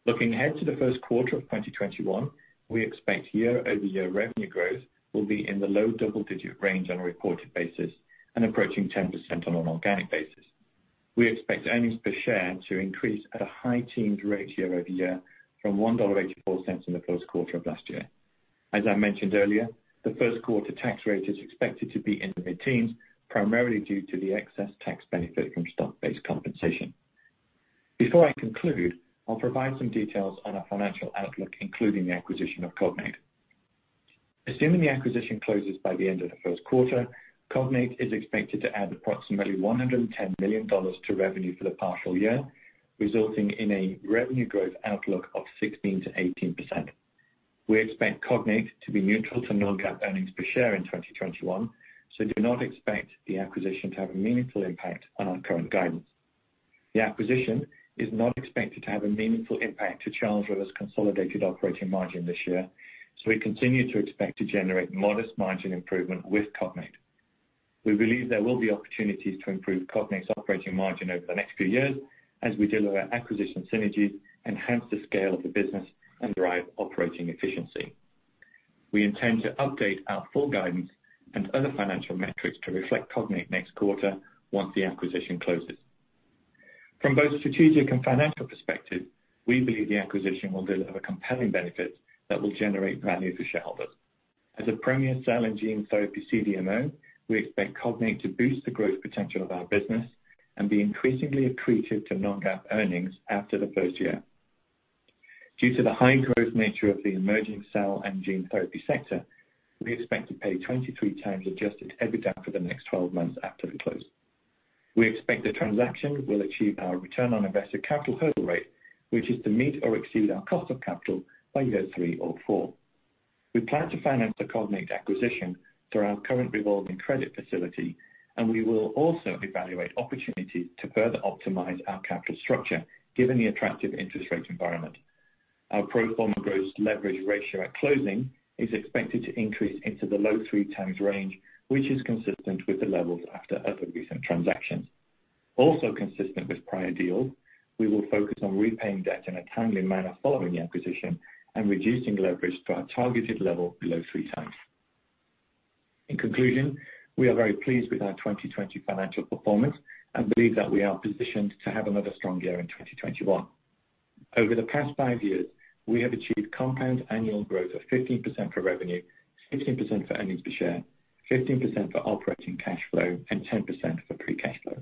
Looking ahead to the first quarter of 2021, we expect year-over-year revenue growth will be in the low double-digit range on a reported basis and approaching 10% on an organic basis. We expect earnings per share to increase at a high teens% rate year-over-year from $1.84 in the first quarter of last year. As I mentioned earlier, the first-quarter tax rate is expected to be in the mid-teens%, primarily due to the excess tax benefit from stock-based compensation. Before I conclude, I'll provide some details on our financial outlook, including the acquisition of Cognate. Assuming the acquisition closes by the end of the first quarter, Cognate is expected to add approximately $110 million to revenue for the partial year, resulting in a revenue growth outlook of 16%-18%. We expect Cognate to be neutral to Non-GAAP earnings per share in 2021, so do not expect the acquisition to have a meaningful impact on our current guidance. The acquisition is not expected to have a meaningful impact to Charles River's consolidated operating margin this year, so we continue to expect to generate modest margin improvement with Cognate. We believe there will be opportunities to improve Cognate's operating margin over the next few years as we deliver acquisition synergies, enhance the scale of the business, and drive operating efficiency. We intend to update our full guidance and other financial metrics to reflect Cognate next quarter once the acquisition closes. From both strategic and financial perspective, we believe the acquisition will deliver compelling benefits that will generate value for shareholders. As a premier cell and gene therapy CDMO, we expect Cognate to boost the growth potential of our business and be increasingly accretive to non-GAAP earnings after the first year. Due to the high growth nature of the emerging cell and gene therapy sector, we expect to pay 23 times adjusted EBITDA for the next 12 months after the close. We expect the transaction will achieve our return on invested capital hurdle rate, which is to meet or exceed our cost of capital by year three or four. We plan to finance the Cognate acquisition through our current revolving credit facility, and we will also evaluate opportunities to further optimize our capital structure given the attractive interest rate environment. Our pro forma gross leverage ratio at closing is expected to increase into the low three times range, which is consistent with the levels after other recent transactions. Also consistent with prior deals, we will focus on repaying debt in a timely manner following the acquisition and reducing leverage to our targeted level below three times. In conclusion, we are very pleased with our 2020 financial performance and believe that we are positioned to have another strong year in 2021. Over the past five years, we have achieved compound annual growth of 15% for revenue, 15% for earnings per share, 15% for operating cash flow, and 10% for free cash flow.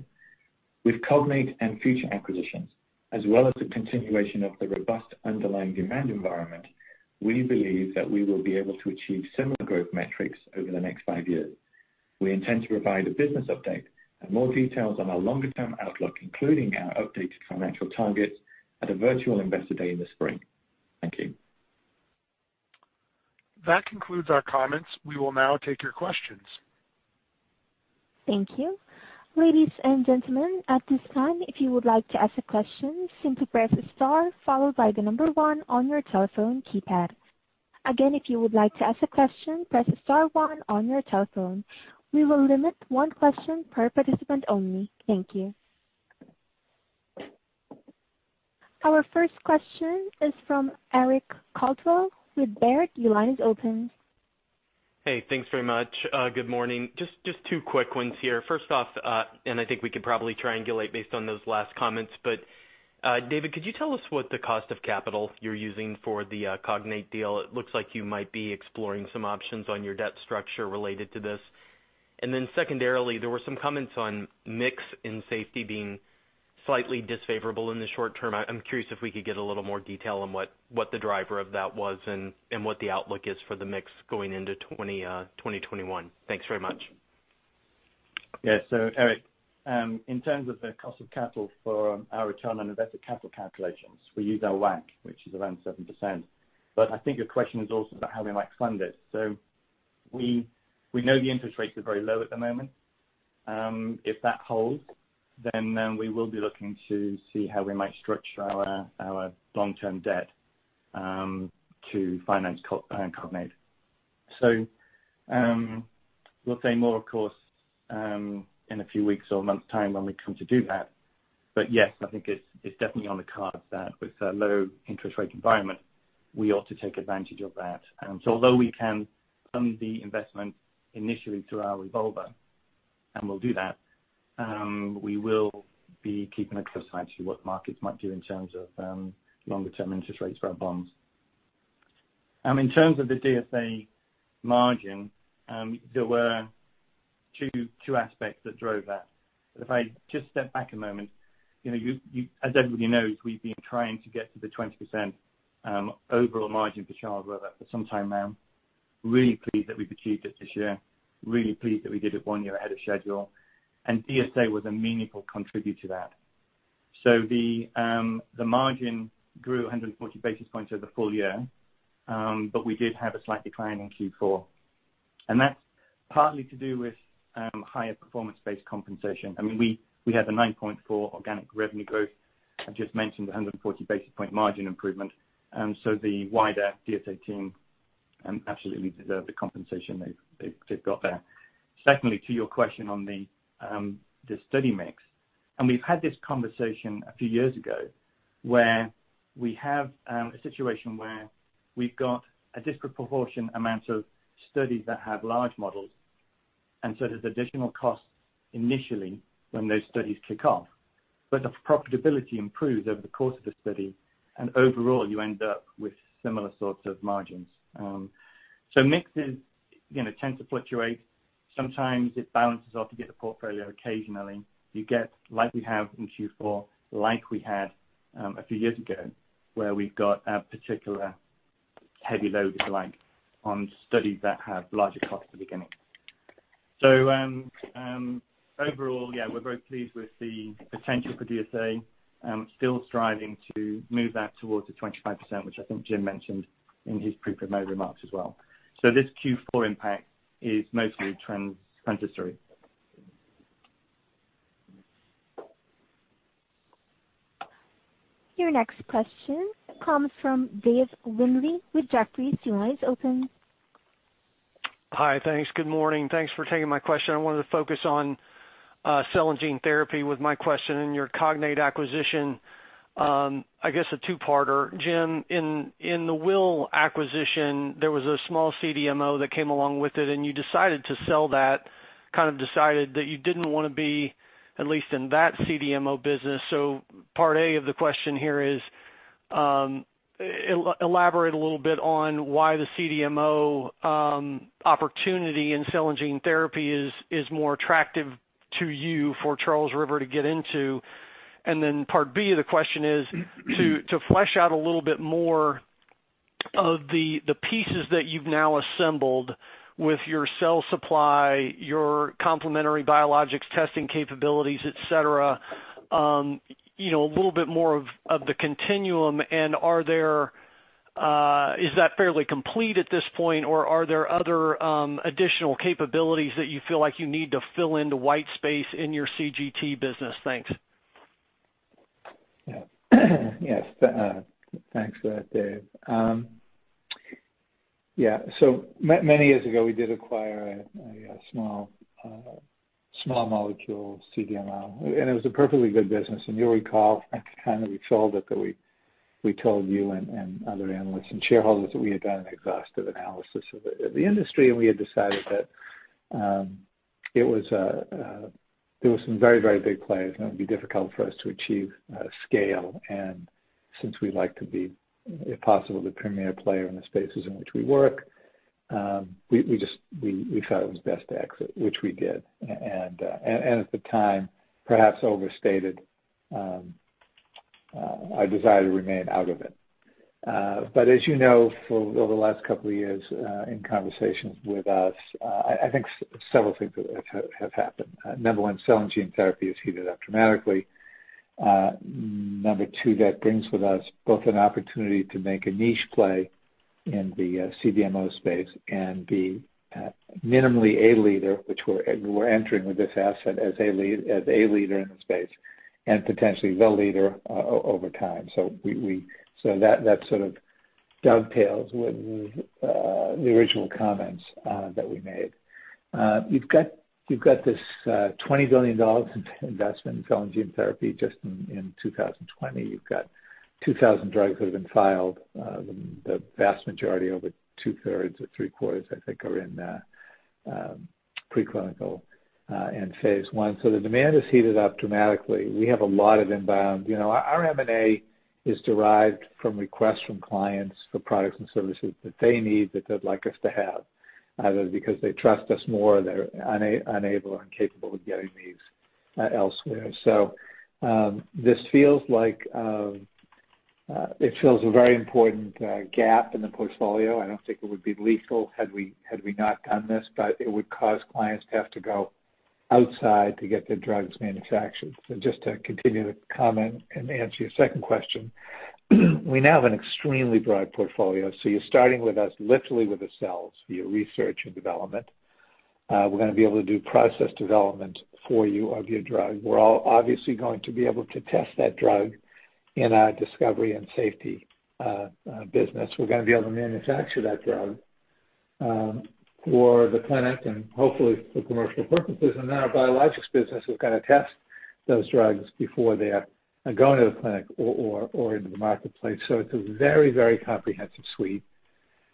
With Cognate and future acquisitions, as well as the continuation of the robust underlying demand environment, we believe that we will be able to achieve similar growth metrics over the next five years. We intend to provide a business update and more details on our longer-term outlook, including our updated financial targets, at a virtual investor day in the spring. Thank you. That concludes our comments. We will now take your questions. Thank you. Ladies and gentlemen, at this time, if you would like to ask a question, simply press the star followed by the number one on your telephone keypad. Again, if you would like to ask a question, press the star one on your telephone. We will limit one question per participant only. Thank you. Our first question is from Eric Caldwell with Baird. Your line is open. Hey, thanks very much. Good morning. Just two quick ones here. First off, and I think we could probably triangulate based on those last comments, but David, could you tell us what the cost of capital you're using for the Cognate deal? It looks like you might be exploring some options on your debt structure related to this. And then secondarily, there were some comments on mix and safety being slightly unfavorable in the short term. I'm curious if we could get a little more detail on what the driver of that was and what the outlook is for the mix going into 2021? Thanks very much. Yeah, so Eric, in terms of the cost of capital for our return on invested capital calculations, we use our WACC, which is around 7%. But I think your question is also about how we might fund it. So we know the interest rates are very low at the moment. If that holds, then we will be looking to see how we might structure our long-term debt to finance Cognate. So we'll say more, of course, in a few weeks or months' time when we come to do that. But yes, I think it's definitely on the cards that with a low interest rate environment, we ought to take advantage of that. And so although we can fund the investment initially through our revolver, and we'll do that, we will be keeping a close eye to what the markets might do in terms of longer-term interest rates for our bonds. In terms of the DSA margin, there were two aspects that drove that. If I just step back a moment, as everybody knows, we've been trying to get to the 20% overall margin for Charles River for some time now. Really pleased that we've achieved it this year. Really pleased that we did it one year ahead of schedule. And DSA was a meaningful contribution to that. So the margin grew 140 basis points over the full year, but we did have a slight decline in Q4. And that's partly to do with higher performance-based compensation. I mean, we had a 9.4% organic revenue growth. I just mentioned 140 basis point margin improvement, and so the wider DSA team absolutely deserved the compensation they've got there. Secondly, to your question on the study mix, and we've had this conversation a few years ago where we have a situation where we've got a disproportionate amount of studies that have large models, and so there's additional costs initially when those studies kick off, but the profitability improves over the course of the study, and overall, you end up with similar sorts of margins, so mixes tend to fluctuate. Sometimes it balances off to get the portfolio occasionally. You get like we have in Q4, like we had a few years ago, where we've got a particular heavy load, if you like, on studies that have larger costs at the beginning. So overall, yeah, we're very pleased with the potential for DSA, still striving to move that towards the 25%, which I think Jim mentioned in his prepared remarks as well. So this Q4 impact is mostly transitory. Your next question comes from Dave Windley with Jefferies. Your line is open. Hi, thanks. Good morning. Thanks for taking my question. I wanted to focus on cell and gene therapy with my question and your Cognate acquisition. I guess a two-parter. Jim, in the Will acquisition, there was a small CDMO that came along with it, and you decided to sell that, kind of decided that you didn't want to be at least in that CDMO business. So part A of the question here is elaborate a little bit on why the CDMO opportunity in cell and gene therapy is more attractive to you for Charles River to get into. And then part B of the question is to flesh out a little bit more of the pieces that you've now assembled with your cell supply, your complementary biologics testing capabilities, etc., a little bit more of the continuum. And is that fairly complete at this point, or are there other additional capabilities that you feel like you need to fill in the white space in your CGT business? Thanks. Yes, thanks for that, Dave. Yeah, so many years ago, we did acquire a small molecule CDMO, and it was a perfectly good business. And you'll recall the time that we sold it that we told you and other analysts and shareholders that we had done an exhaustive analysis of the industry, and we had decided that there were some very, very big players, and it would be difficult for us to achieve scale. Since we'd like to be, if possible, the premier player in the spaces in which we work, we felt it was best to exit, which we did. And at the time, perhaps overstated our desire to remain out of it. But as you know, for the last couple of years in conversations with us, I think several things have happened. Number one, cell and gene therapy has heated up dramatically. Number two, that brings with us both an opportunity to make a niche play in the CDMO space and be minimally a leader, which we're entering with this asset as a leader in the space and potentially the leader over time. So that sort of dovetails with the original comments that we made. You've got this $20 billion investment in cell and gene therapy just in 2020. You've got 2,000 drugs that have been filed. The vast majority, over two-thirds or three-quarters, I think, are in preclinical and phase one. So the demand has heated up dramatically. We have a lot of inbound. Our M&A is derived from requests from clients for products and services that they need, that they'd like us to have, either because they trust us more or they're unable or incapable of getting these elsewhere. So this feels like it fills a very important gap in the portfolio. I don't think it would be lethal had we not done this, but it would cause clients to have to go outside to get their drugs manufactured. So just to continue to comment and answer your second question, we now have an extremely broad portfolio. So you're starting with us literally with the cells for your research and development. We're going to be able to do process development for you of your drug. We're obviously going to be able to test that drug in our discovery and safety business. We're going to be able to manufacture that drug for the clinic and hopefully for commercial purposes. And then our biologics business is going to test those drugs before they are going to the clinic or into the marketplace. So it's a very, very comprehensive suite.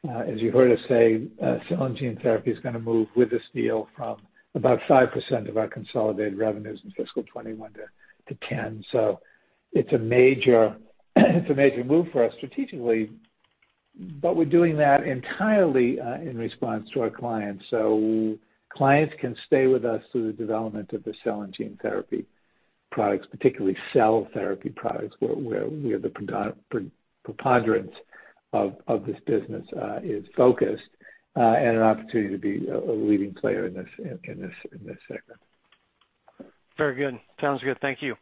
As you heard us say, cell and gene therapy is going to move with this deal from about 5% of our consolidated revenues in fiscal 2021 to 10%. So it's a major move for us strategically, but we're doing that entirely in response to our clients. So clients can stay with us through the development of the cell and gene therapy products, particularly cell therapy products, where the preponderance of this business is focused and an opportunity to be a leading player in this segment. Very good. Sounds good. Thank you.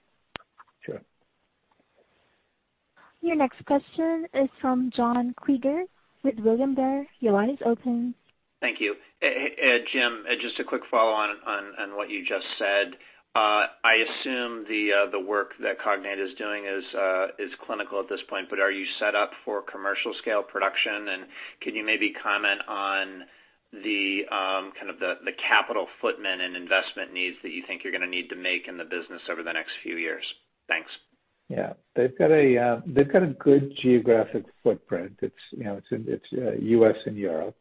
Sure. Your next question is from John Kreger with William Blair. Your line is open. Thank you. Jim, just a quick follow-on on what you just said. I assume the work that Cognate is doing is clinical at this point, but are you set up for commercial-scale production? And can you maybe comment on kind of the capital footprint and investment needs that you think you're going to need to make in the business over the next few years? Thanks. Yeah. They've got a good geographic footprint. It's U.S. and Europe.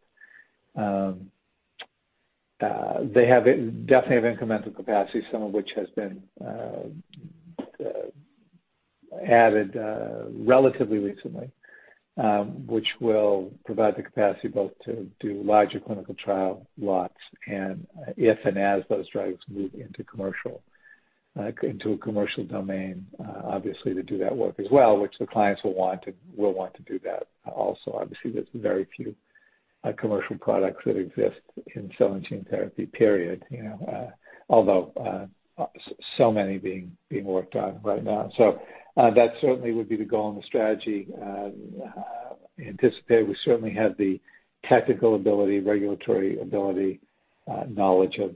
They definitely have incremental capacity, some of which has been added relatively recently, which will provide the capacity both to do larger clinical trial lots and if and as those drugs move into a commercial domain, obviously to do that work as well, which the clients will want and will want to do that also. Obviously, there's very few commercial products that exist in cell and gene therapy, period, although so many being worked on right now, so that certainly would be the goal and the strategy anticipated. We certainly have the technical ability, regulatory ability, knowledge of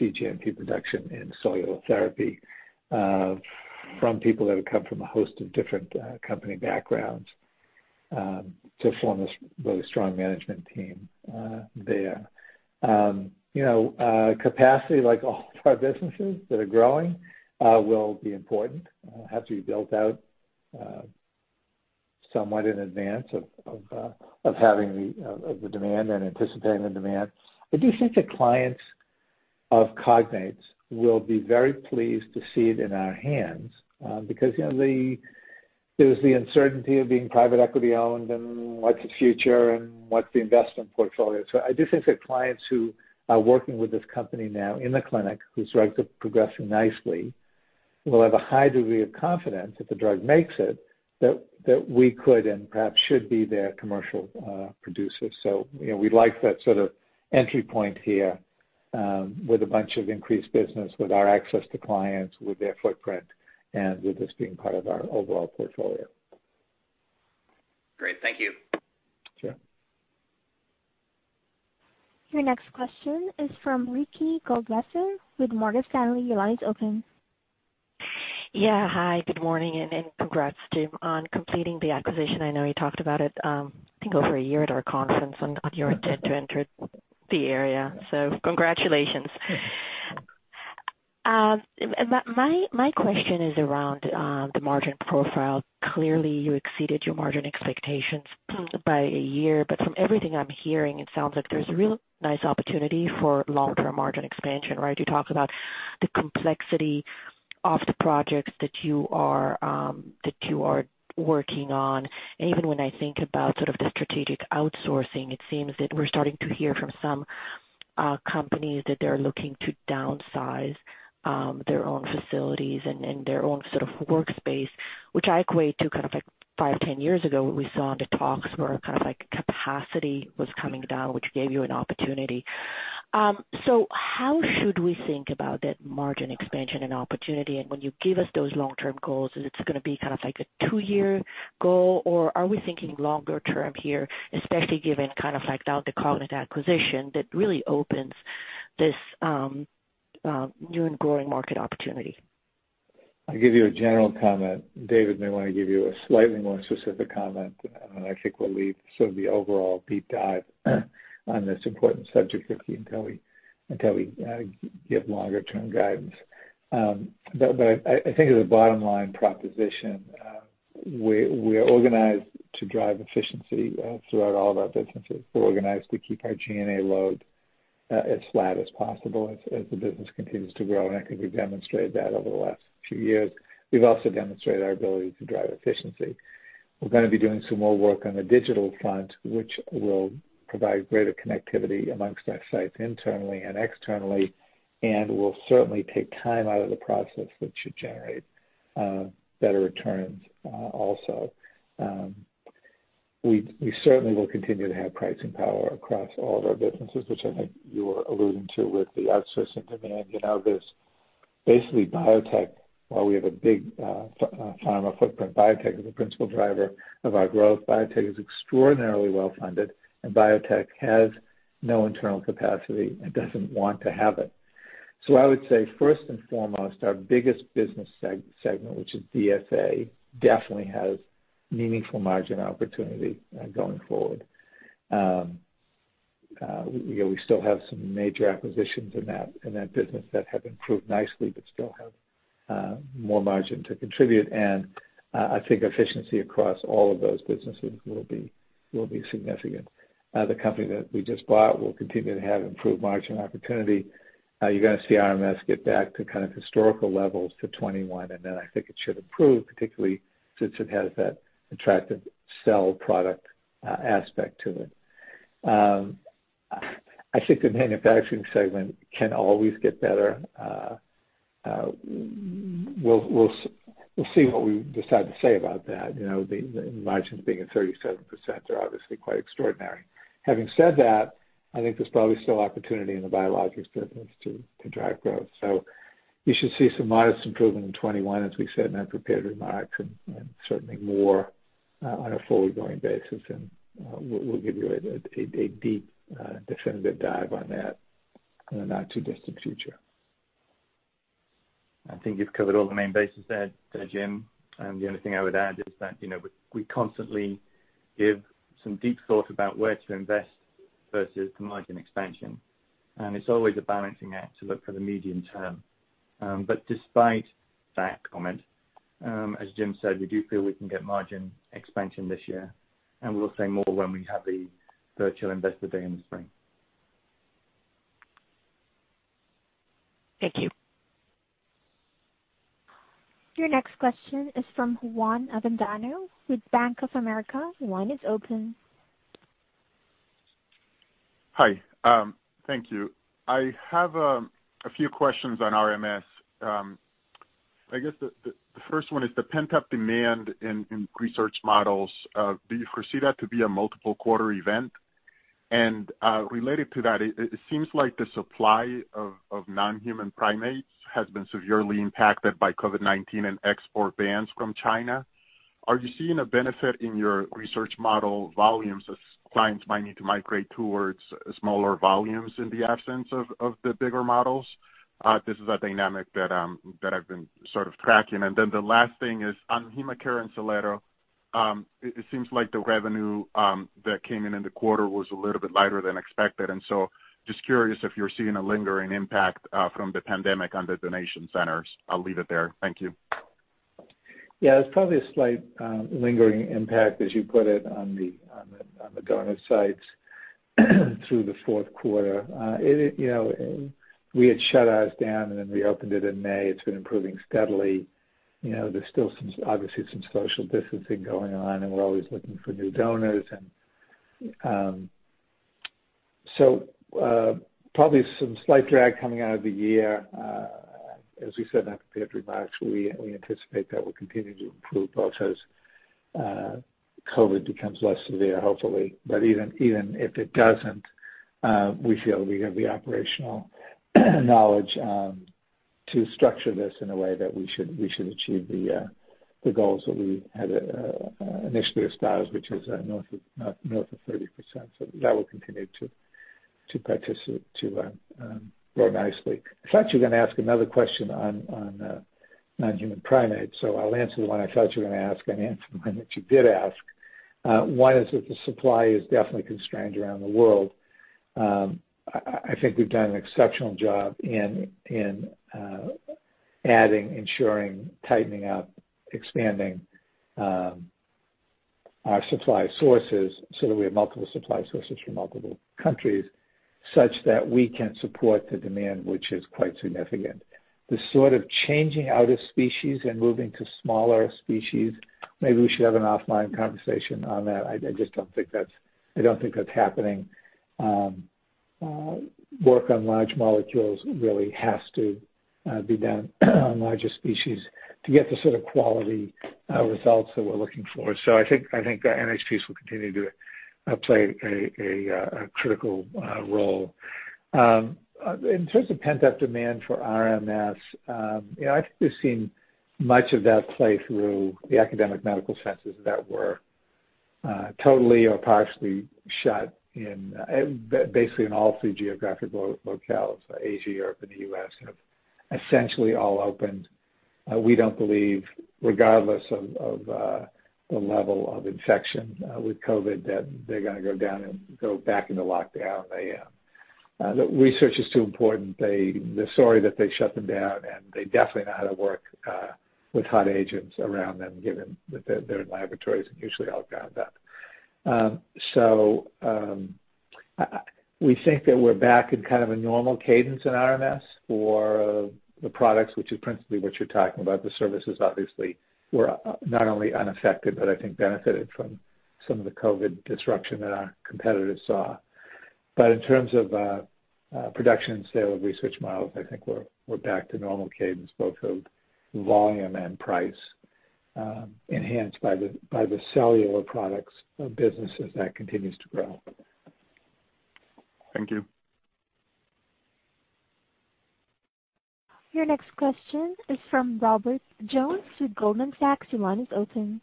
cGMP production in cellular therapy from people that have come from a host of different company backgrounds to form this really strong management team there. Capacity, like all of our businesses that are growing, will be important. It has to be built out somewhat in advance of having the demand and anticipating the demand. I do think the clients of Cognate will be very pleased to see it in our hands because there's the uncertainty of being private equity owned and what's the future and what's the investment portfolio. So I do think the clients who are working with this company now in the clinic, whose drugs are progressing nicely, will have a high degree of confidence if the drug makes it, that we could and perhaps should be their commercial producers. So we'd like that sort of entry point here with a bunch of increased business, with our access to clients, with their footprint, and with this being part of our overall portfolio. Great. Thank you. Sure. Your next question is from Ricky Goldwasser with Morgan Stanley. Your line is open. Yeah. Hi, good morning, and congrats, Jim, on completing the acquisition. I know you talked about it, I think, over a year at our conference on your intent to enter the area. So congratulations. My question is around the margin profile. Clearly, you exceeded your margin expectations by a year. But from everything I'm hearing, it sounds like there's a real nice opportunity for long-term margin expansion, right? You talk about the complexity of the projects that you are working on. And even when I think about sort of the strategic outsourcing, it seems that we're starting to hear from some companies that they're looking to downsize their own facilities and their own sort of workspace, which I equate to kind of like five, 10 years ago when we saw in the talks where kind of capacity was coming down, which gave you an opportunity. So how should we think about that margin expansion and opportunity? And when you give us those long-term goals, is it going to be kind of like a two-year goal, or are we thinking longer term here, especially given kind of like now the Cognate acquisition that really opens this new and growing market opportunity? I'll give you a general comment. David may want to give you a slightly more specific comment. I think we'll leave sort of the overall deep dive on this important subject with you until we give longer-term guidance. But I think as a bottom-line proposition, we are organized to drive efficiency throughout all of our businesses. We're organized to keep our G&A load as flat as possible as the business continues to grow. And I think we've demonstrated that over the last few years. We've also demonstrated our ability to drive efficiency. We're going to be doing some more work on the digital front, which will provide greater connectivity amongst our sites internally and externally, and will certainly take time out of the process that should generate better returns also. We certainly will continue to have pricing power across all of our businesses, which I think you were alluding to with the outsourcing demand. There's basically biotech. While we have a big pharma footprint, biotech is the principal driver of our growth. Biotech is extraordinarily well-funded, and biotech has no internal capacity and doesn't want to have it. So I would say, first and foremost, our biggest business segment, which is DSA, definitely has meaningful margin opportunity going forward. We still have some major acquisitions in that business that have improved nicely but still have more margin to contribute, and I think efficiency across all of those businesses will be significant. The company that we just bought will continue to have improved margin opportunity. You're going to see RMS get back to kind of historical levels for 2021, and then I think it should improve, particularly since it has that attractive cell product aspect to it. I think the manufacturing segment can always get better. We'll see what we decide to say about that. The margins being at 37% are obviously quite extraordinary. Having said that, I think there's probably still opportunity in the biologics business to drive growth. So you should see some modest improvement in 2021, as we said in our prepared remarks, and certainly more on a forward-going basis. And we'll give you a deep, definitive dive on that in the not-too-distant future. I think you've covered all the main bases there, Jim. And the only thing I would add is that we constantly give some deep thought about where to invest versus the margin expansion. And it's always a balancing act to look for the medium term. But despite that comment, as Jim said, we do feel we can get margin expansion this year, and we'll say more when we have the virtual investor day in the spring. Thank you. Your next question is from Juan Avendaño with Bank of America. Your line is open. Hi. Thank you. I have a few questions on RMS. I guess the first one is the pent-up demand in research models. Do you foresee that to be a multiple-quarter event? And related to that, it seems like the supply of non-human primates has been severely impacted by COVID-19 and export bans from China. Are you seeing a benefit in your research model volumes as clients might need to migrate towards smaller volumes in the absence of the bigger models? This is a dynamic that I've been sort of tracking. And then the last thing is on HemaCare and Cellero. It seems like the revenue that came in in the quarter was a little bit lighter than expected. And so just curious if you're seeing a lingering impact from the pandemic on the donation centers. I'll leave it there. Thank you. Yeah. There's probably a slight lingering impact, as you put it, on the donor sites through the fourth quarter. We had shut ours down, and then we opened it in May. It's been improving steadily. There's still obviously some social distancing going on, and we're always looking for new donors. So probably some slight drag coming out of the year. As we said in our prepared remarks, we anticipate that we'll continue to improve also as COVID becomes less severe, hopefully. But even if it doesn't, we feel we have the operational knowledge to structure this in a way that we should achieve the goals that we had initially established, which is north of 30%. So that will continue to grow nicely. I thought you were going to ask another question on non-human primates. So I'll answer the one I thought you were going to ask and answer the one that you did ask. One is that the supply is definitely constrained around the world. I think we've done an exceptional job in adding, ensuring, tightening up, expanding our supply sources so that we have multiple supply sources from multiple countries such that we can support the demand, which is quite significant. The sort of changing out of species and moving to smaller species, maybe we should have an offline conversation on that. I just don't think that's happening. Work on large molecules really has to be done on larger species to get the sort of quality results that we're looking for. So I think NHPs will continue to play a critical role. In terms of pent-up demand for RMS, I think we've seen much of that play through the academic medical centers that were totally or partially shut in basically all three geographic locales: Asia, Europe, and the US have essentially all opened. We don't believe, regardless of the level of infection with COVID, that they're going to go down and go back into lockdown. The research is too important. They're sorry that they shut them down, and they definitely know how to work with hot agents around them, given that their laboratories are usually all gowned up. So we think that we're back in kind of a normal cadence in RMS for the products, which is principally what you're talking about. The services, obviously, were not only unaffected, but I think benefited from some of the COVID disruption that our competitors saw. But in terms of production and sale of research models, I think we're back to normal cadence, both of volume and price, enhanced by the cellular products of businesses that continue to grow. Thank you. Your next question is from Robert Jones with Goldman Sachs. Your line is open.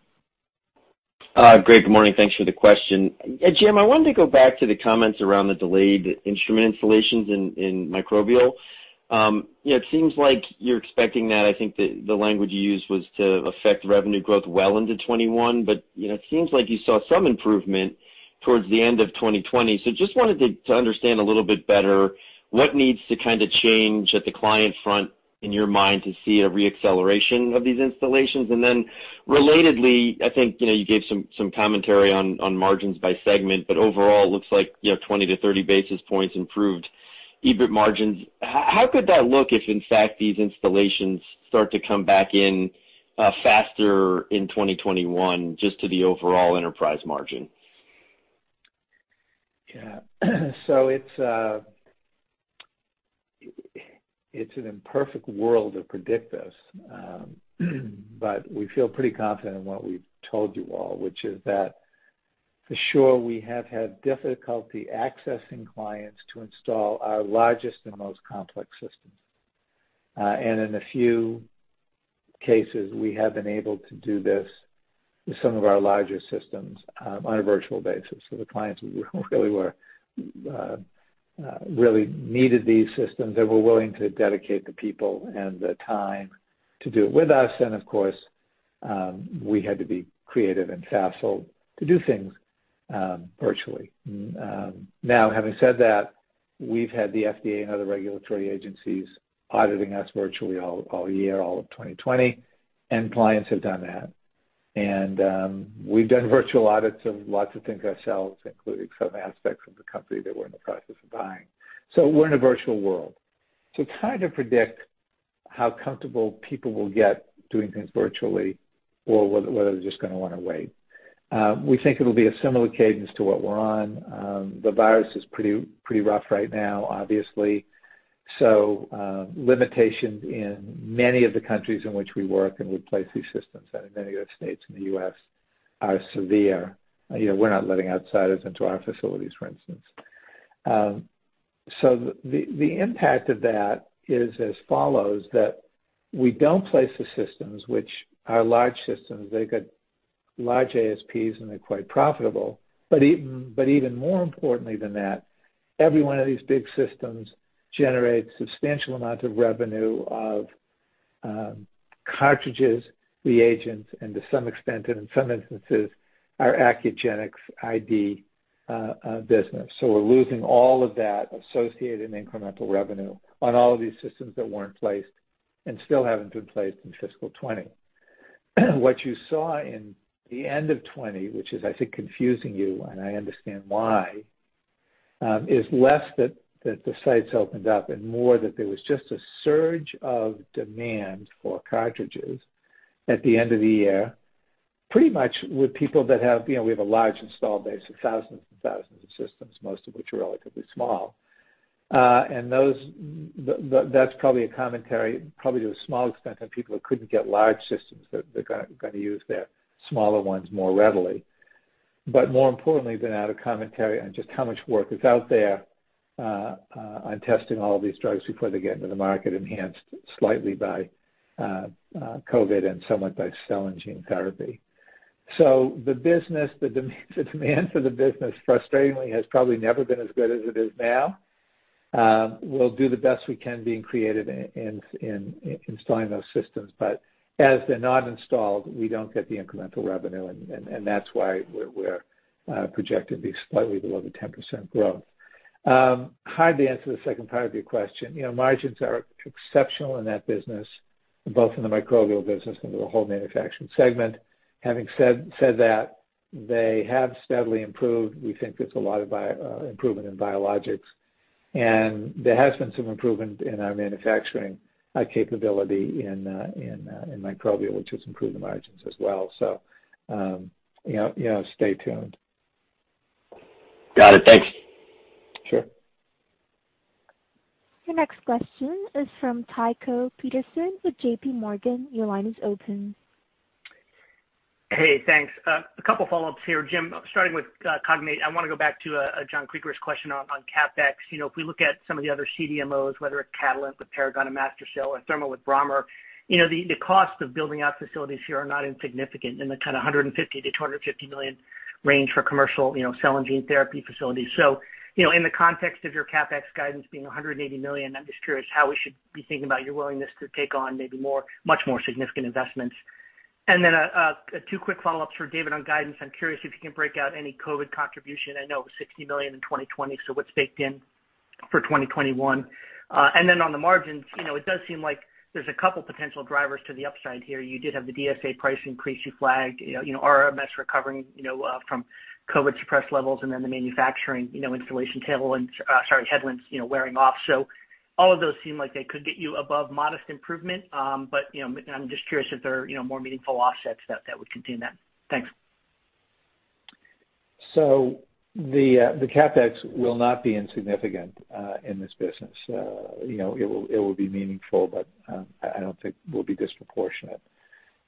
Great. Good morning. Thanks for the question. Jim, I wanted to go back to the comments around the delayed instrument installations in microbial. It seems like you're expecting that. I think the language you used was to affect revenue growth well into 2021, but it seems like you saw some improvement towards the end of 2020. So just wanted to understand a little bit better what needs to kind of change at the client front in your mind to see a re-acceleration of these installations. And then relatedly, I think you gave some commentary on margins by segment, but overall, it looks like 20-30 basis points improved EBIT margins. How could that look if, in fact, these installations start to come back in faster in 2021, just to the overall enterprise margin? Yeah. So it's an imperfect world to predict this, but we feel pretty confident in what we've told you all, which is that for sure, we have had difficulty accessing clients to install our largest and most complex systems. And in a few cases, we have been able to do this with some of our larger systems on a virtual basis. So the clients really needed these systems, and we're willing to dedicate the people and the time to do it with us. And of course, we had to be creative and facile to do things virtually. Now, having said that, we've had the FDA and other regulatory agencies auditing us virtually all year, all of 2020, and clients have done that. And we've done virtual audits of lots of things ourselves, including some aspects of the company that we're in the process of buying. So we're in a virtual world. So it's hard to predict how comfortable people will get doing things virtually or whether they're just going to want to wait. We think it'll be a similar cadence to what we're on. The virus is pretty rough right now, obviously. So limitations in many of the countries in which we work and we place these systems in many of the states in the U.S. are severe. We're not letting outsiders into our facilities, for instance. So the impact of that is as follows: that we don't place the systems, which are large systems. They've got large ASPs, and they're quite profitable. But even more importantly than that, every one of these big systems generates substantial amounts of revenue of cartridges, reagents, and to some extent, and in some instances, our Accugenix ID business. So we're losing all of that associated incremental revenue on all of these systems that weren't placed and still haven't been placed in fiscal 2020. What you saw in the end of 2020, which is, I think, confusing you, and I understand why, is less that the sites opened up and more that there was just a surge of demand for cartridges at the end of the year, pretty much with people that have. We have a large installed base of thousands and thousands of systems, most of which are relatively small. That's probably a commentary to a small extent on people that couldn't get large systems that they're going to use their smaller ones more readily, but more importantly, than a commentary on just how much work is out there on testing all of these drugs before they get into the market, enhanced slightly by COVID and somewhat by cell and gene therapy, so the demand for the business, frustratingly, has probably never been as good as it is now. We'll do the best we can being creative in installing those systems. But as they're not installed, we don't get the incremental revenue. And that's why we're projecting to be slightly below the 10% growth. I hardly answered the second part of your question. Margins are exceptional in that business, both in the microbial business and the whole manufacturing segment. Having said that, they have steadily improved. We think there's a lot of improvement in biologics. And there has been some improvement in our manufacturing capability in microbial, which has improved the margins as well. So stay tuned. Got it. Thanks. Sure. Your next question is from Tycho Peterson with JPMorgan. Your line is open. Hey, thanks. A couple of follow-ups here. Jim, starting with Cognate, I want to go back to John Kreger's question on CapEx. If we look at some of the other CDMOs, whether it's Catalent with Paragon and Mastercell or Thermo with Brammer, the cost of building out facilities here are not insignificant in the kind of $150-$250 million range for commercial cell and gene therapy facilities. So in the context of your CapEx guidance being $180 million, I'm just curious how we should be thinking about your willingness to take on maybe much more significant investments. And then two quick follow-ups for David on guidance. I'm curious if you can break out any COVID contribution. I know it was $60 million in 2020, so what's baked in for 2021? And then on the margins, it does seem like there's a couple of potential drivers to the upside here. You did have the DSA price increase you flagged, RMS recovering from COVID-suppressed levels, and then the manufacturing installation tail ends, sorry, headwinds wearing off. So all of those seem like they could get you above modest improvement, but I'm just curious if there are more meaningful offsets that would contain that. Thanks. So the CapEx will not be insignificant in this business. It will be meaningful, but I don't think it will be disproportionate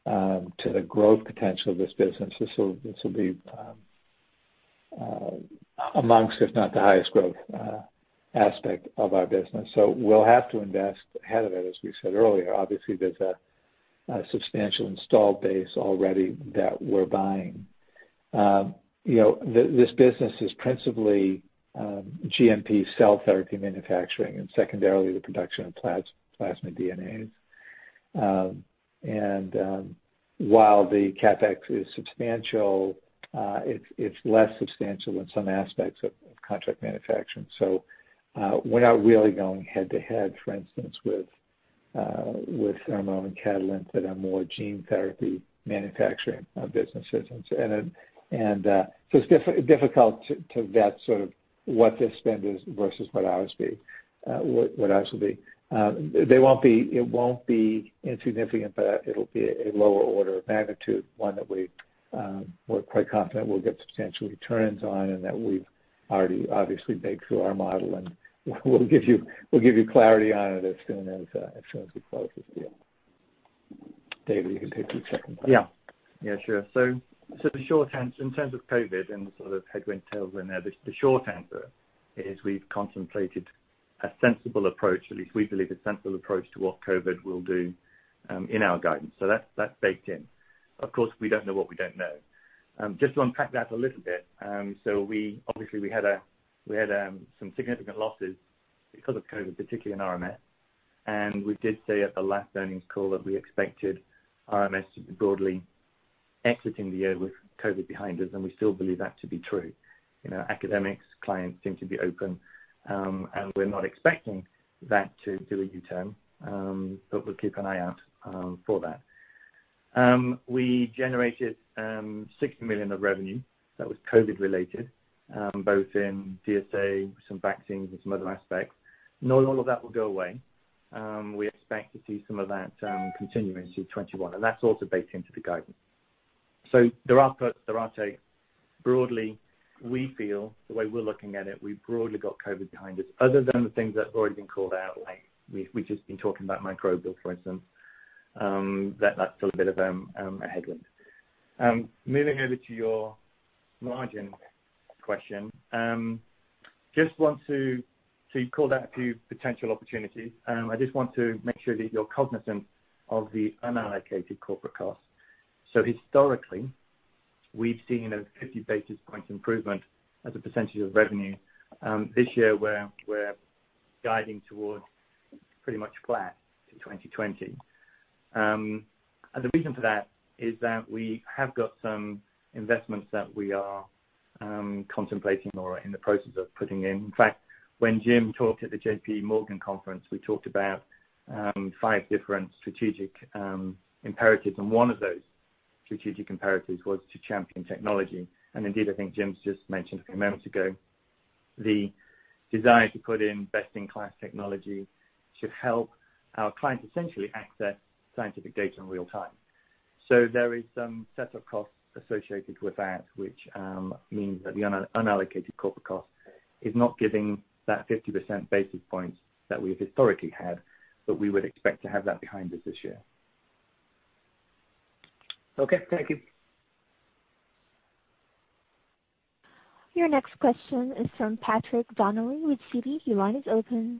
to the growth potential of this business. This will be amongst, if not the highest growth aspect of our business. So we'll have to invest ahead of it, as we said earlier. Obviously, there's a substantial install base already that we're buying. This business is principally GMP cell therapy manufacturing and secondarily the production of plasmid DNAs. And while the CapEx is substantial, it's less substantial than some aspects of contract manufacturing. So, we're not really going head-to-head, for instance, with Thermo and Catalent that are more gene therapy manufacturing businesses. And so it's difficult to vet sort of what this spend is versus what ours will be. It won't be insignificant, but it'll be a lower order of magnitude, one that we're quite confident we'll get substantial returns on and that we've already obviously baked through our model. And we'll give you clarity on it as soon as we close this deal. David, you can take the second part. Yeah. Yeah, sure. So in terms of COVID and the sort of headwinds, tailwinds there, the short answer is we've contemplated a sensible approach, at least we believe a sensible approach to what COVID will do in our guidance. So that's baked in. Of course, we don't know what we don't know. Just to unpack that a little bit, so obviously, we had some significant losses because of COVID, particularly in RMS. And we did say at the last earnings call that we expected RMS to be broadly exiting the year with COVID behind us, and we still believe that to be true. Academic clients seem to be open, and we're not expecting that to do a U-turn, but we'll keep an eye out for that. We generated $60 million of revenue. That was COVID-related, both in DSA, some vaccines, and some other aspects. Not all of that will go away. We expect to see some of that continuing through 2021, and that's also baked into the guidance. So there are takes. Broadly, we feel, the way we're looking at it, we've broadly got COVID behind us. Other than the things that have already been called out, like we've just been talking about microbial, for instance, that's still a bit of a headwind. Moving over to your margin question, just want to call out a few potential opportunities. I just want to make sure that you're cognizant of the unallocated corporate costs, so historically, we've seen a 50 basis points improvement as a percentage of revenue. This year, we're guiding towards pretty much flat to 2020, and the reason for that is that we have got some investments that we are contemplating or in the process of putting in. In fact, when Jim talked at the J.P. Morgan conference, we talked about five different strategic imperatives, and one of those strategic imperatives was to champion technology. And indeed, I think Jim's just mentioned a few moments ago, the desire to put in best-in-class technology should help our clients essentially access scientific data in real time. So there is some setup costs associated with that, which means that the unallocated corporate cost is not giving that 50 basis points that we've historically had, but we would expect to have that behind us this year. Okay. Thank you. Your next question is from Patrick Donnelly with Citi. Your line is open.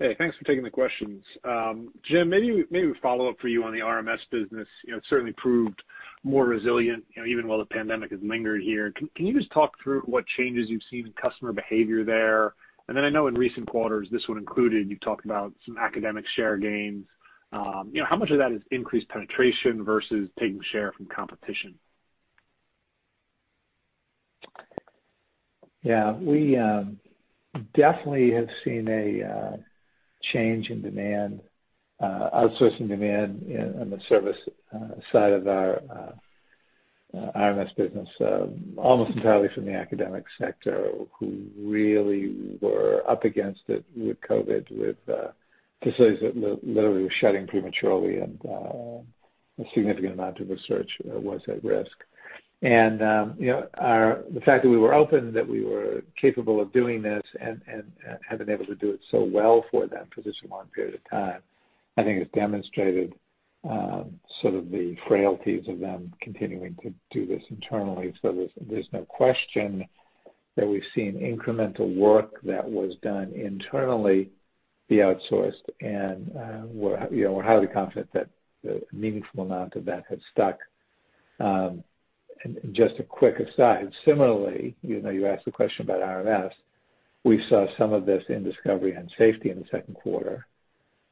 Hey, thanks for taking the questions. Jim, maybe we follow up for you on the RMS business. It certainly proved more resilient even while the pandemic has lingered here. Can you just talk through what changes you've seen in customer behavior there? And then I know in recent quarters, this one included, you've talked about some academic share gains. How much of that is increased penetration versus taking share from competition? Yeah. We definitely have seen a change in demand, outsourcing demand on the service side of our RMS business, almost entirely from the academic sector, who really were up against it with COVID, with facilities that literally were shutting prematurely, and a significant amount of research was at risk. And the fact that we were open, that we were capable of doing this, and have been able to do it so well for them for such a long period of time, I think has demonstrated sort of the frailties of them continuing to do this internally. So there's no question that we've seen incremental work that was done internally be outsourced. And we're highly confident that a meaningful amount of that has stuck. And just a quick aside, similarly, you asked the question about RMS. We saw some of this in discovery and safety in the second quarter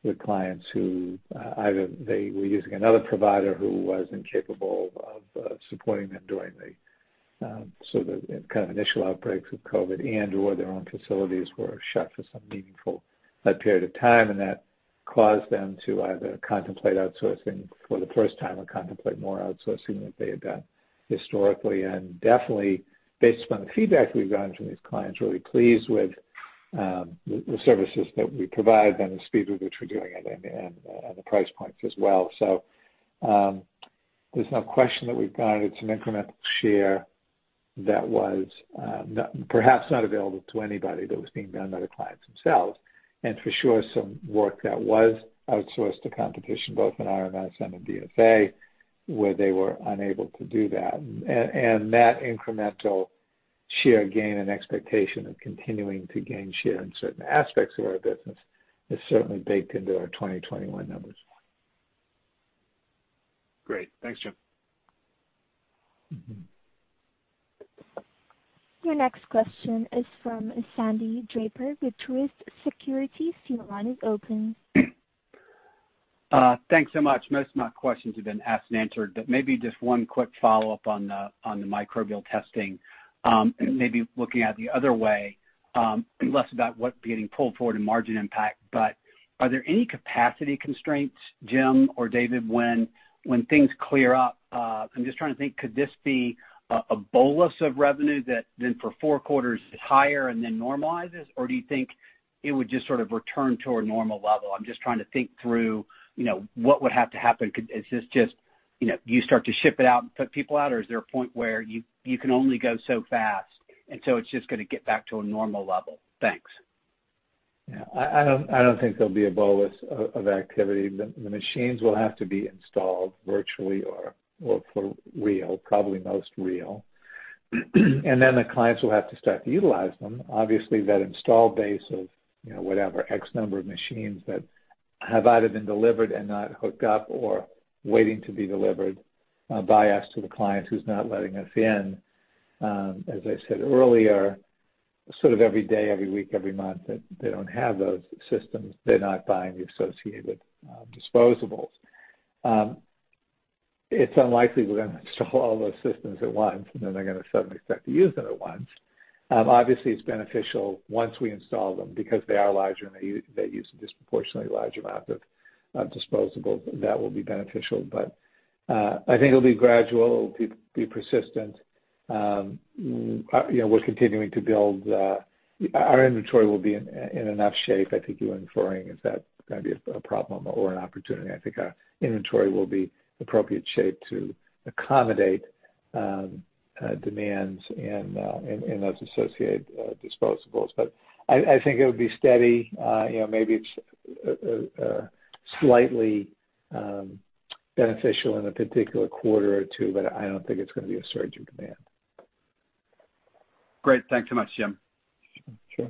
with clients who either they were using another provider who was incapable of supporting them during the sort of initial outbreaks of COVID, and/or their own facilities were shut for some meaningful period of time. And that caused them to either contemplate outsourcing for the first time or contemplate more outsourcing than they had done historically. And definitely, based upon the feedback we've gotten from these clients, we're really pleased with the services that we provide and the speed with which we're doing it and the price points as well. So there's no question that we've garnered some incremental share that was perhaps not available to anybody, but was being done by the clients themselves. And for sure, some work that was outsourced to competition, both in RMS and in DSA, where they were unable to do that. And that incremental share gain and expectation of continuing to gain share in certain aspects of our business is certainly baked into our 2021 numbers. Great. Thanks, Jim. Your next question is from Sandy Draper with Truist Securities. Your line is open. Thanks so much. Most of my questions have been asked and answered, but maybe just one quick follow-up on the microbial testing. Maybe looking at the other way, less about what's being pulled forward in margin impact, but are there any capacity constraints, Jim or David, when things clear up? I'm just trying to think, could this be a bolus of revenue that then for four quarters is higher and then normalizes? Or do you think it would just sort of return to a normal level? I'm just trying to think through what would have to happen. Is this just you start to ship it out and put people out, or is there a point where you can only go so fast, and so it's just going to get back to a normal level? Thanks. Yeah. I don't think there'll be a bolus of activity. The machines will have to be installed virtually or for real, probably most real. And then the clients will have to start to utilize them. Obviously, that install base of whatever, X number of machines that have either been delivered and not hooked up or waiting to be delivered by us to the client who's not letting us in. As I said earlier, sort of every day, every week, every month, that they don't have those systems, they're not buying the associated disposables. It's unlikely we're going to install all those systems at once, and then they're going to suddenly start to use them at once. Obviously, it's beneficial once we install them because they are larger, and they use a disproportionately large amount of disposables. That will be beneficial, but I think it'll be gradual. It'll be persistent. We're continuing to build. Our inventory will be in enough shape. I think you were inferring if that's going to be a problem or an opportunity. I think our inventory will be in appropriate shape to accommodate demands and those associated disposables, but I think it would be steady. Maybe it's slightly beneficial in a particular quarter or two, but I don't think it's going to be a surge in demand. Great. Thanks so much, Jim. Sure.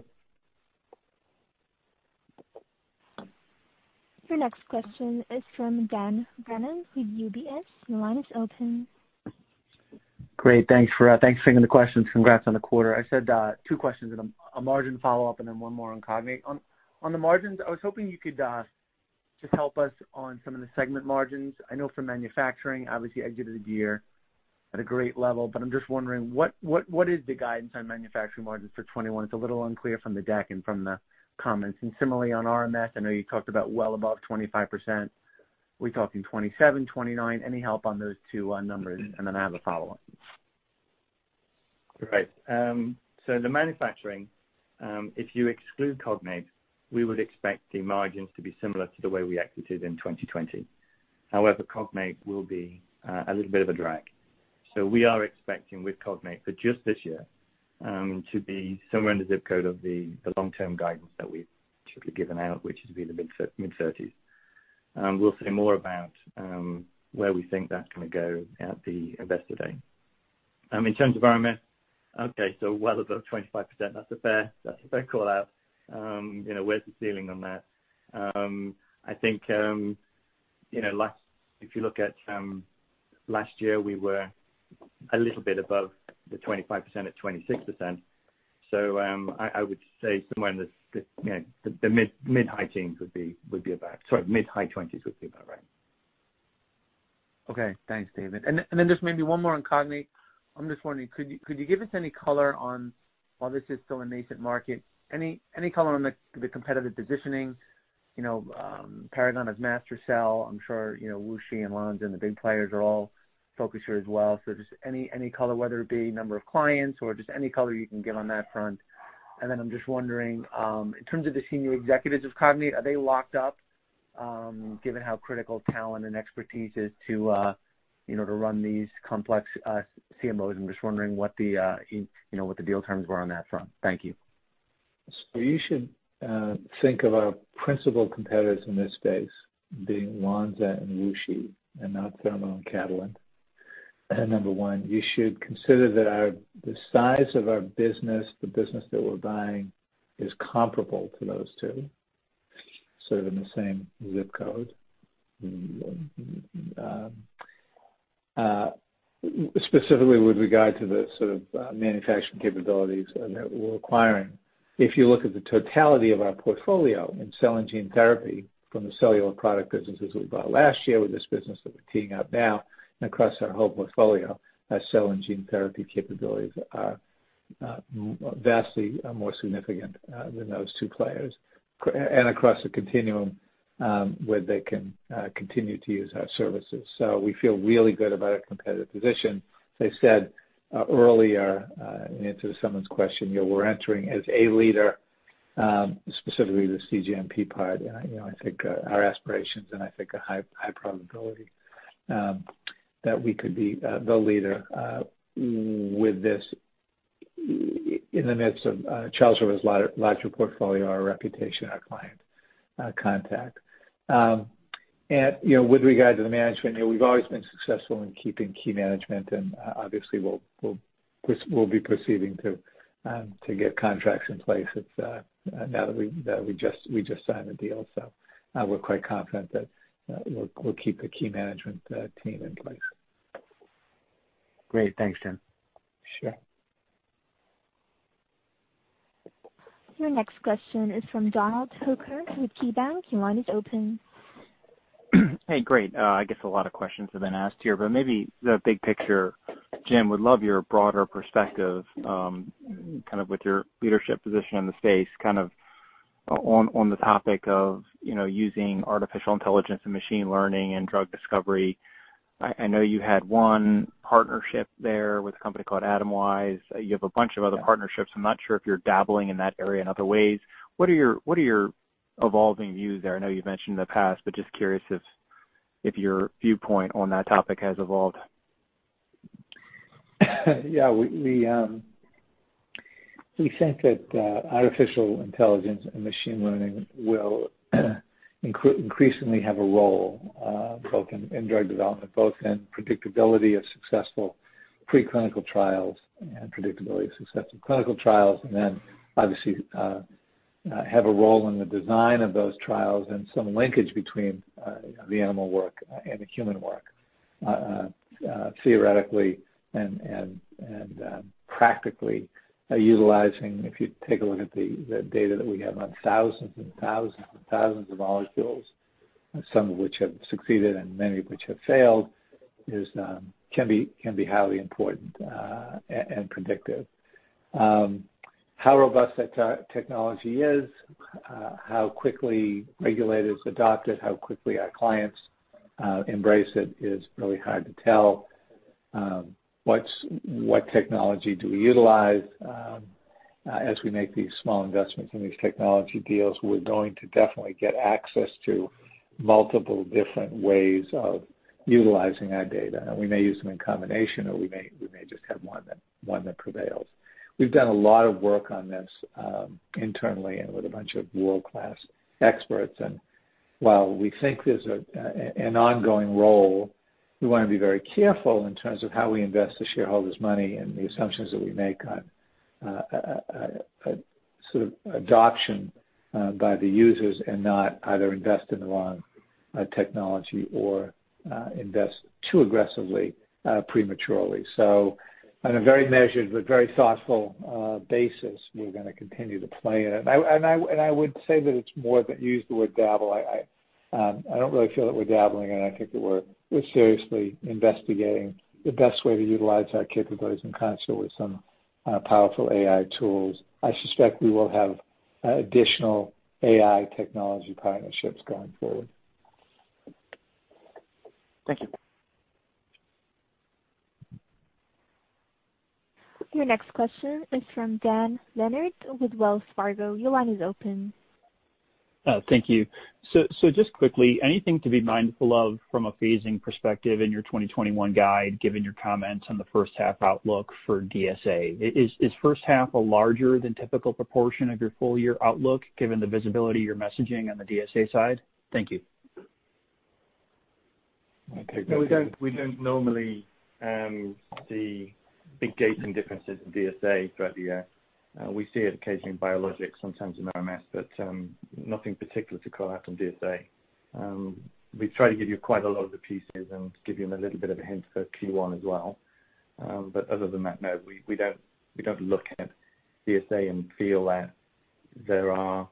Your next question is from Dan Brennan with UBS. Your line is open. Great. Thanks for taking the questions. Congrats on the quarter. I said two questions in a margin follow-up and then one more on Cognate. On the margins, I was hoping you could just help us on some of the segment margins. I know for manufacturing, obviously, exited a year at a great level, but I'm just wondering, what is the guidance on manufacturing margins for 2021? It's a little unclear from the deck and from the comments. And similarly, on RMS, I know you talked about well above 25%. Are we talking 27%, 29%? Any help on those two numbers? And then I have a follow-up. Right. So the manufacturing, if you exclude Cognate, we would expect the margins to be similar to the way we exited in 2020. However, Cognate will be a little bit of a drag. So we are expecting with Cognate for just this year to be somewhere in the zip code of the long-term guidance that we've typically given out, which is to be the mid 30s%. We'll say more about where we think that's going to go at the investor day. In terms of RMS, okay, so well above 25%. That's a fair call-out. Where's the ceiling on that? I think if you look at last year, we were a little bit above the 25% at 26%. So I would say somewhere in the mid-high teens would be about sorry, mid-high 20s% would be about right. Okay. Thanks, David. And then just maybe one more on Cognate. I'm just wondering, could you give us any color on, while this is still a nascent market, any color on the competitive positioning? Paragon, Mastercell. I'm sure WuXi and Lonza and the big players are all focused here as well. So just any color, whether it be number of clients or just any color you can give on that front. And then I'm just wondering, in terms of the senior executives of Cognate, are they locked up given how critical talent and expertise is to run these complex CDMOs? I'm just wondering what the deal terms were on that front. Thank you. So you should think of our principal competitors in this space being Lonza and WuXi and not Thermo and Catalent. Number one, you should consider that the size of our business, the business that we're buying, is comparable to those two, sort of in the same zip code. Specifically, with regard to the sort of manufacturing capabilities that we're acquiring, if you look at the totality of our portfolio in cell and gene therapy from the cellular product businesses we bought last year with this business that we're teeing up now, and across our whole portfolio, our cell and gene therapy capabilities are vastly more significant than those two players. Across the continuum where they can continue to use our services. We feel really good about our competitive position. As I said earlier, in answer to someone's question, we're entering as a leader, specifically the cGMP part. And I think our aspirations and I think a high probability that we could be the leader with this in the midst of Charles River's larger portfolio, our reputation, our client contact. And with regard to the management, we've always been successful in keeping key management, and obviously, we'll be proceeding to get contracts in place now that we just signed the deal. So we're quite confident that we'll keep the key management team in place. Great. Thanks, Jim. Sure. Your next question is from Donald Hooker with KeyBank. Your line is open. Hey, great. I guess a lot of questions have been asked here, but maybe the big picture, Jim, would love your broader perspective kind of with your leadership position in the space, kind of on the topic of using artificial intelligence and machine learning and drug discovery. I know you had one partnership there with a company called Atomwise. You have a bunch of other partnerships. I'm not sure if you're dabbling in that area in other ways. What are your evolving views there? I know you've mentioned in the past, but just curious if your viewpoint on that topic has evolved. Yeah. We think that artificial intelligence and machine learning will increasingly have a role both in drug development, both in predictability of successful preclinical trials and predictability of successful clinical trials, and then obviously have a role in the design of those trials and some linkage between the animal work and the human work theoretically and practically utilizing. If you take a look at the data that we have on thousands and thousands and thousands of molecules, some of which have succeeded and many of which have failed, can be highly important and predictive. How robust that technology is, how quickly regulators adopt it, how quickly our clients embrace it is really hard to tell. What technology do we utilize as we make these small investments in these technology deals? We're going to definitely get access to multiple different ways of utilizing our data. And we may use them in combination, or we may just have one that prevails. We've done a lot of work on this internally and with a bunch of world-class experts. And while we think there's an ongoing role, we want to be very careful in terms of how we invest the shareholders' money and the assumptions that we make on sort of adoption by the users and not either invest in the wrong technology or invest too aggressively prematurely. So on a very measured but very thoughtful basis, we're going to continue to play in it. And I would say that it's more than use the word dabble. I don't really feel that we're dabbling in it. I think that we're seriously investigating the best way to utilize our capabilities in concert with some powerful AI tools. I suspect we will have additional AI technology partnerships going forward. Thank you. Your next question is from Dan Leonard with Wells Fargo. Your line is open. Thank you. So just quickly, anything to be mindful of from a phasing perspective in your 2021 guide, given your comments on the first-half outlook for DSA? Is first-half a larger than typical proportion of your full-year outlook, given the visibility of your messaging on the DSA side? Thank you. We don't normally see big gaping differences in DSA throughout the year. We see it occasionally in biologics, sometimes in RMS, but nothing particular to call out on DSA. We try to give you quite a lot of the pieces and give you a little bit of a hint for Q1 as well. But other than that, no, we don't look at DSA and feel that there are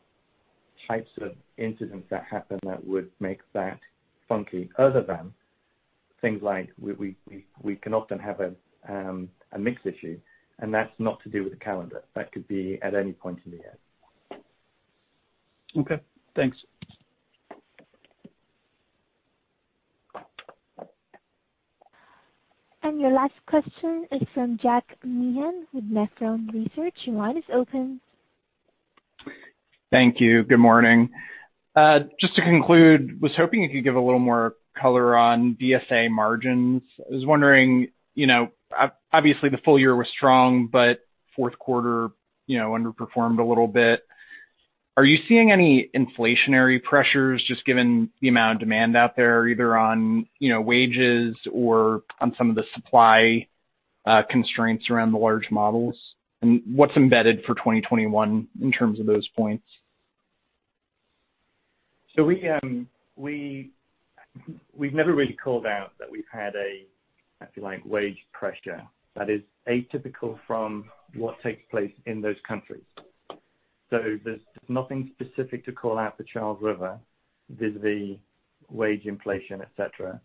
types of incidents that happen that would make that funky, other than things like we can often have a mixed issue, and that's not to do with the calendar. That could be at any point in the year. Okay. Thanks. And your last question is from Jack Meehan with Nephron Research. Your line is open. Thank you. Good morning. Just to conclude, I was hoping you could give a little more color on DSA margins. I was wondering, obviously, the full year was strong, but fourth quarter underperformed a little bit. Are you seeing any inflationary pressures, just given the amount of demand out there, either on wages or on some of the supply constraints around the large models? And what's embedded for 2021 in terms of those points? So we've never really called out that we've had a, I feel like, wage pressure that is atypical from what takes place in those countries. So there's nothing specific to call out for Charles River vis-à-vis wage inflation, etc.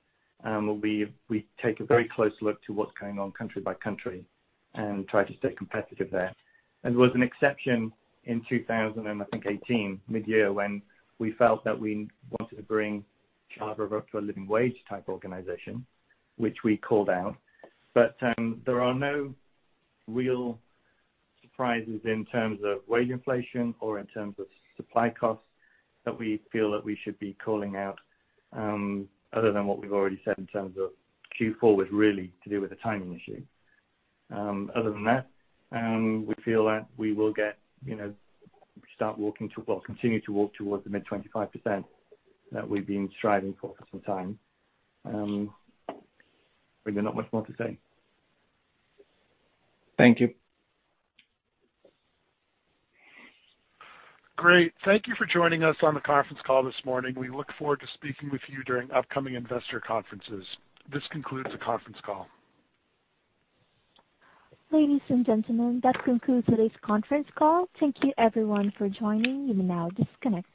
We take a very close look to what's going on country by country and try to stay competitive there. There was an exception in 2000 and, I think, 2018, mid-year, when we felt that we wanted to bring Charles River up to a living wage type organization, which we called out. There are no real surprises in terms of wage inflation or in terms of supply costs that we feel that we should be calling out, other than what we've already said in terms of Q4 was really to do with a timing issue. Other than that, we feel that we will continue to walk towards the mid-25% that we've been striving for for some time. I really have not much more to say. Thank you. Great. Thank you for joining us on the conference call this morning. We look forward to speaking with you during upcoming investor conferences. This concludes the conference call. Ladies and gentlemen, that concludes today's conference call. Thank you, everyone, for joining. You may now disconnect.